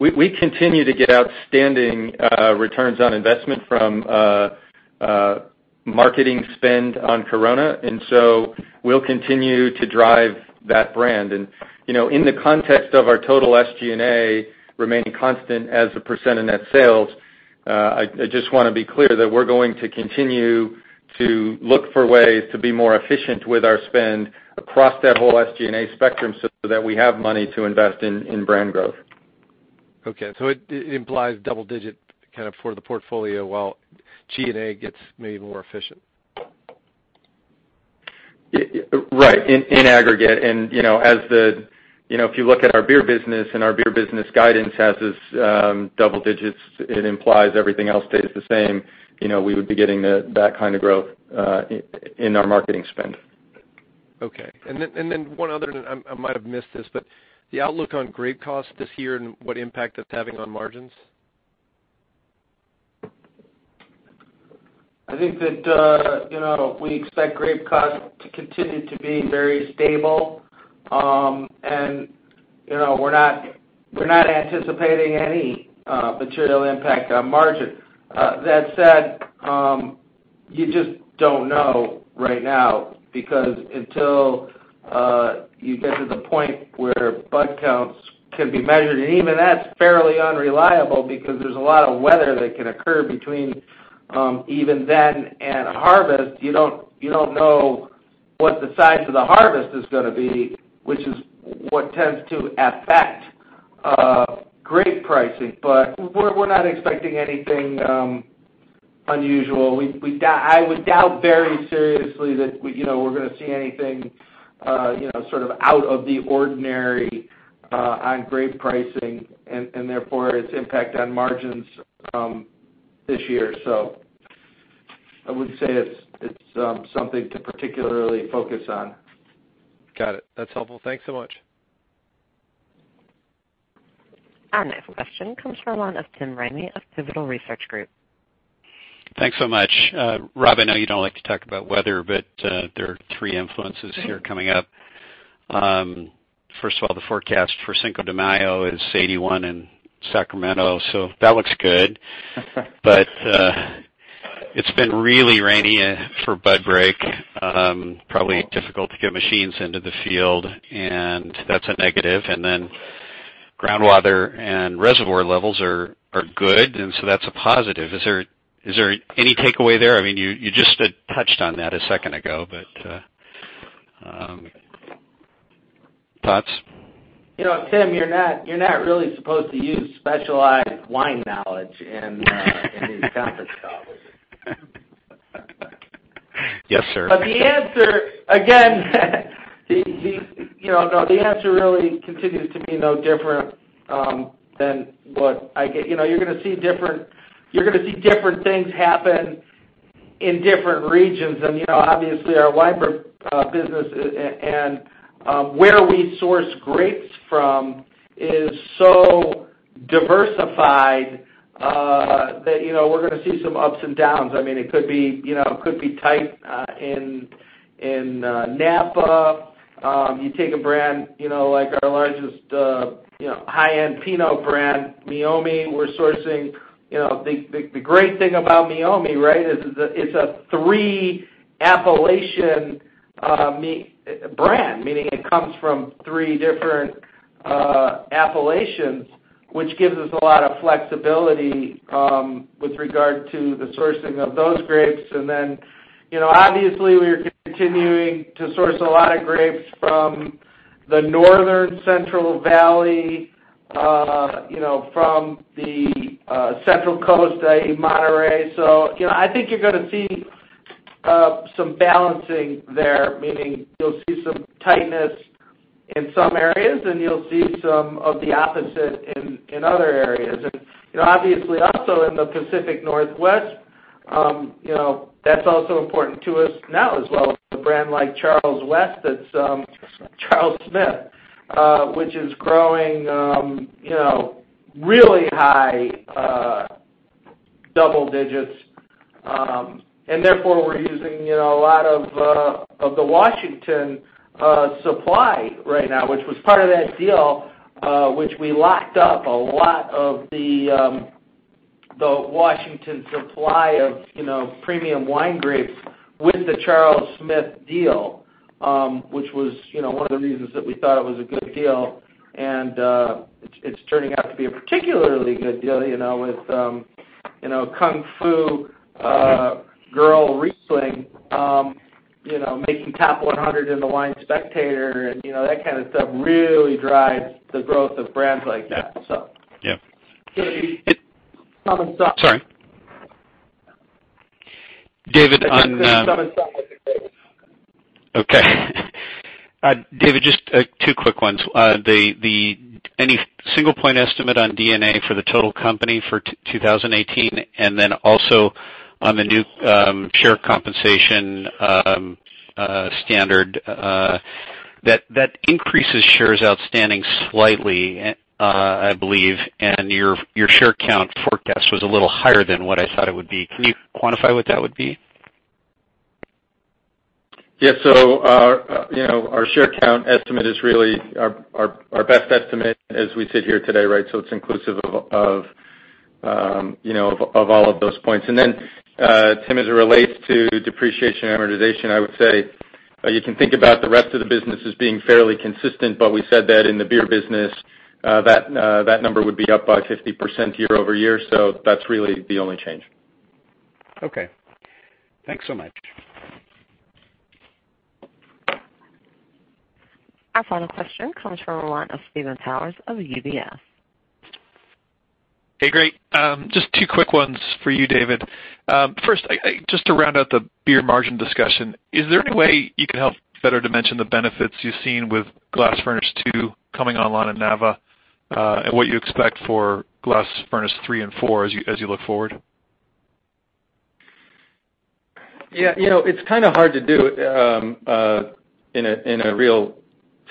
We continue to get outstanding returns on investment from marketing spend on Corona, so we'll continue to drive that brand. In the context of our total SG&A remaining constant as a % of net sales, I just want to be clear that we're going to continue to look for ways to be more efficient with our spend across that whole SG&A spectrum so that we have money to invest in brand growth. Okay, it implies double-digit kind of for the portfolio while G&A gets maybe more efficient. Right, in aggregate. If you look at our beer business, our beer business guidance has its double-digits, it implies everything else stays the same. We would be getting that kind of growth in our marketing spend. Okay. One other, I might have missed this, the outlook on grape costs this year and what impact it's having on margins? I think that we expect grape costs to continue to be very stable. We're not anticipating any material impact on margin. That said, you just don't know right now because until you get to the point where bud counts can be measured, and even that's fairly unreliable because there's a lot of weather that can occur between even then and harvest. You don't know what the size of the harvest is going to be, which is what tends to affect grape pricing. We're not expecting anything unusual. I would doubt very seriously that we're going to see anything sort of out of the ordinary on grape pricing, and therefore, its impact on margins this year. I wouldn't say it's something to particularly focus on. Got it. That's helpful. Thanks so much. Our next question comes from the line of Tim Ramey of Pivotal Research Group. Thanks so much. Rob, I know you don't like to talk about weather, there are three influences here coming up. First of all, the forecast for Cinco de Mayo is 81 in Sacramento, that looks good. It's been really rainy for bud break. Probably difficult to get machines into the field, that's a negative. Then groundwater and reservoir levels are good, that's a positive. Is there any takeaway there? You just touched on that a second ago, thoughts? Tim, you're not really supposed to use specialized wine knowledge in these conference calls. Yes, sir. The answer, again, the answer really continues to be no different than what I get. You're going to see different things happen in different regions. Obviously, our wine business, and where we source grapes from is so diversified that we're going to see some ups and downs. It could be tight in Napa. You take a brand like our largest high-end Pinot brand, Meiomi. The great thing about Meiomi is it's a three appellation brand, meaning it comes from three different appellations, which gives us a lot of flexibility with regard to the sourcing of those grapes. Obviously, we are continuing to source a lot of grapes from the northern Central Valley, from the Central Coast, Monterey. I think you're going to see some balancing there, meaning you'll see some tightness in some areas, and you'll see some of the opposite in other areas. Obviously, also in the Pacific Northwest, that's also important to us now as well with a brand like Charles Smith, which is growing really high double-digits. Therefore, we're using a lot of the Washington supply right now, which was part of that deal, which we locked up a lot of the Washington supply of premium wine grapes with the Charles Smith deal, which was one of the reasons that we thought it was a good deal, and it's turning out to be a particularly good deal, with Kung Fu Girl Riesling making top 100 in the Wine Spectator. That kind of stuff really drives the growth of brands like that. Yeah. It's some and some. Sorry. David, It's some and some with the grapes. Okay. David, just two quick ones. Any single point estimate on D&A for the total company for 2018? Also on the new share compensation standard, that increases shares outstanding slightly, I believe, and your share count forecast was a little higher than what I thought it would be. Can you quantify what that would be? Yeah. Our share count estimate is really our best estimate as we sit here today, right? It's inclusive of all of those points. Tim, as it relates to depreciation amortization, I would say you can think about the rest of the business as being fairly consistent, but we said that in the beer business, that number would be up by 50% year-over-year. That's really the only change. Okay. Thanks so much. Our final question comes from the line of Stephen Powers of UBS. Hey, great. Just two quick ones for you, David. First, just to round out the beer margin discussion, is there any way you can help better dimension the benefits you've seen with Glass Furnace 2 coming online in Nava, and what you expect for Glass Furnace 3 and 4 as you look forward? Yeah. It's kind of hard to do in a real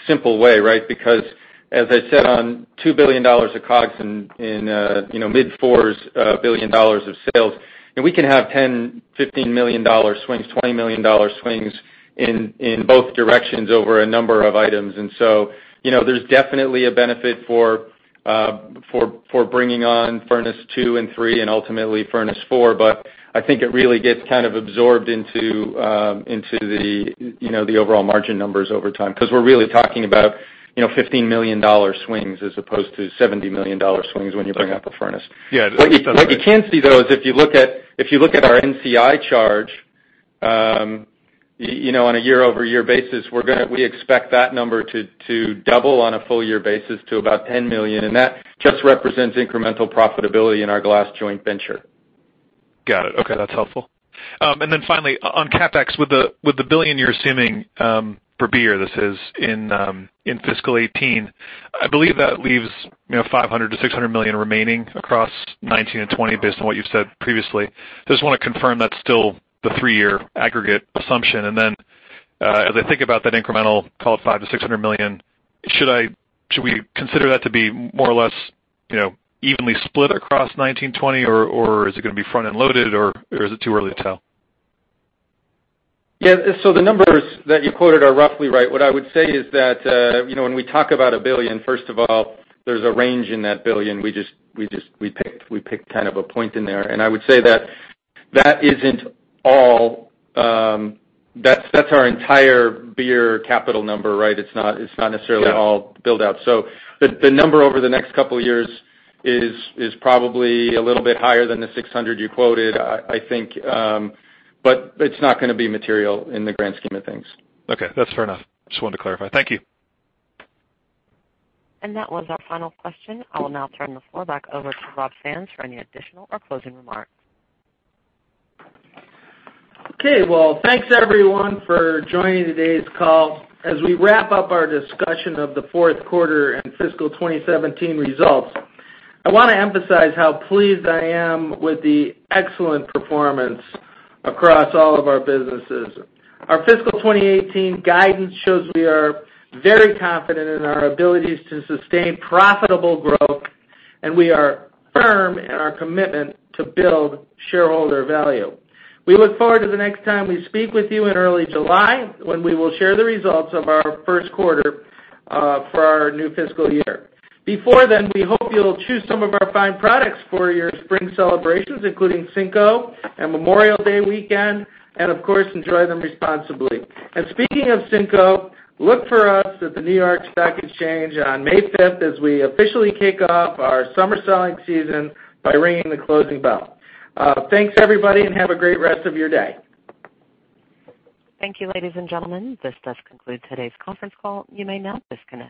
simple way, right? As I said, on $2 billion of COGS and mid-fours billion of sales, we can have $10 million, $15 million swings, $20 million swings in both directions over a number of items. There's definitely a benefit for For bringing on furnace 2 and 3, and ultimately furnace 4. I think it really gets kind of absorbed into the overall margin numbers over time, because we're really talking about $15 million swings as opposed to $70 million swings when you bring up a furnace. Yeah. What you can see, though, is if you look at our NCI charge on a year-over-year basis, we expect that number to double on a full year basis to about $10 million, that just represents incremental profitability in our glass joint venture. Got it. Okay. That's helpful. Finally, on CapEx, with the $1 billion you're assuming per beer, this is in fiscal 2018, I believe that leaves $500 million-$600 million remaining across 2019 and 2020 based on what you've said previously. Just want to confirm that's still the three-year aggregate assumption. As I think about that incremental call at $500 million-$600 million, should we consider that to be more or less evenly split across 2019, 2020, or is it going to be front-end loaded, or is it too early to tell? The numbers that you quoted are roughly right. What I would say is that, when we talk about a $1 billion, first of all, there's a range in that $1 billion. We picked kind of a point in there, and I would say that that's our entire beer capital number. It's not necessarily all build-out. The number over the next couple of years is probably a little bit higher than the $600 you quoted, I think, but it's not going to be material in the grand scheme of things. Okay. That's fair enough. Just wanted to clarify. Thank you. That was our final question. I will now turn the floor back over to Rob Sands for any additional or closing remarks. Okay. Thanks, everyone, for joining today's call. As we wrap up our discussion of the fourth quarter and fiscal 2017 results, I want to emphasize how pleased I am with the excellent performance across all of our businesses. Our fiscal 2018 guidance shows we are very confident in our abilities to sustain profitable growth, and we are firm in our commitment to build shareholder value. We look forward to the next time we speak with you in early July, when we will share the results of our first quarter for our new fiscal year. Before then, we hope you'll choose some of our fine products for your spring celebrations, including Cinco and Memorial Day weekend, and of course, enjoy them responsibly. Speaking of Cinco, look for us at the New York Stock Exchange on May 5th, as we officially kick off our summer selling season by ringing the closing bell. Thanks, everybody, and have a great rest of your day. Thank you, ladies and gentlemen. This does conclude today's conference call. You may now disconnect.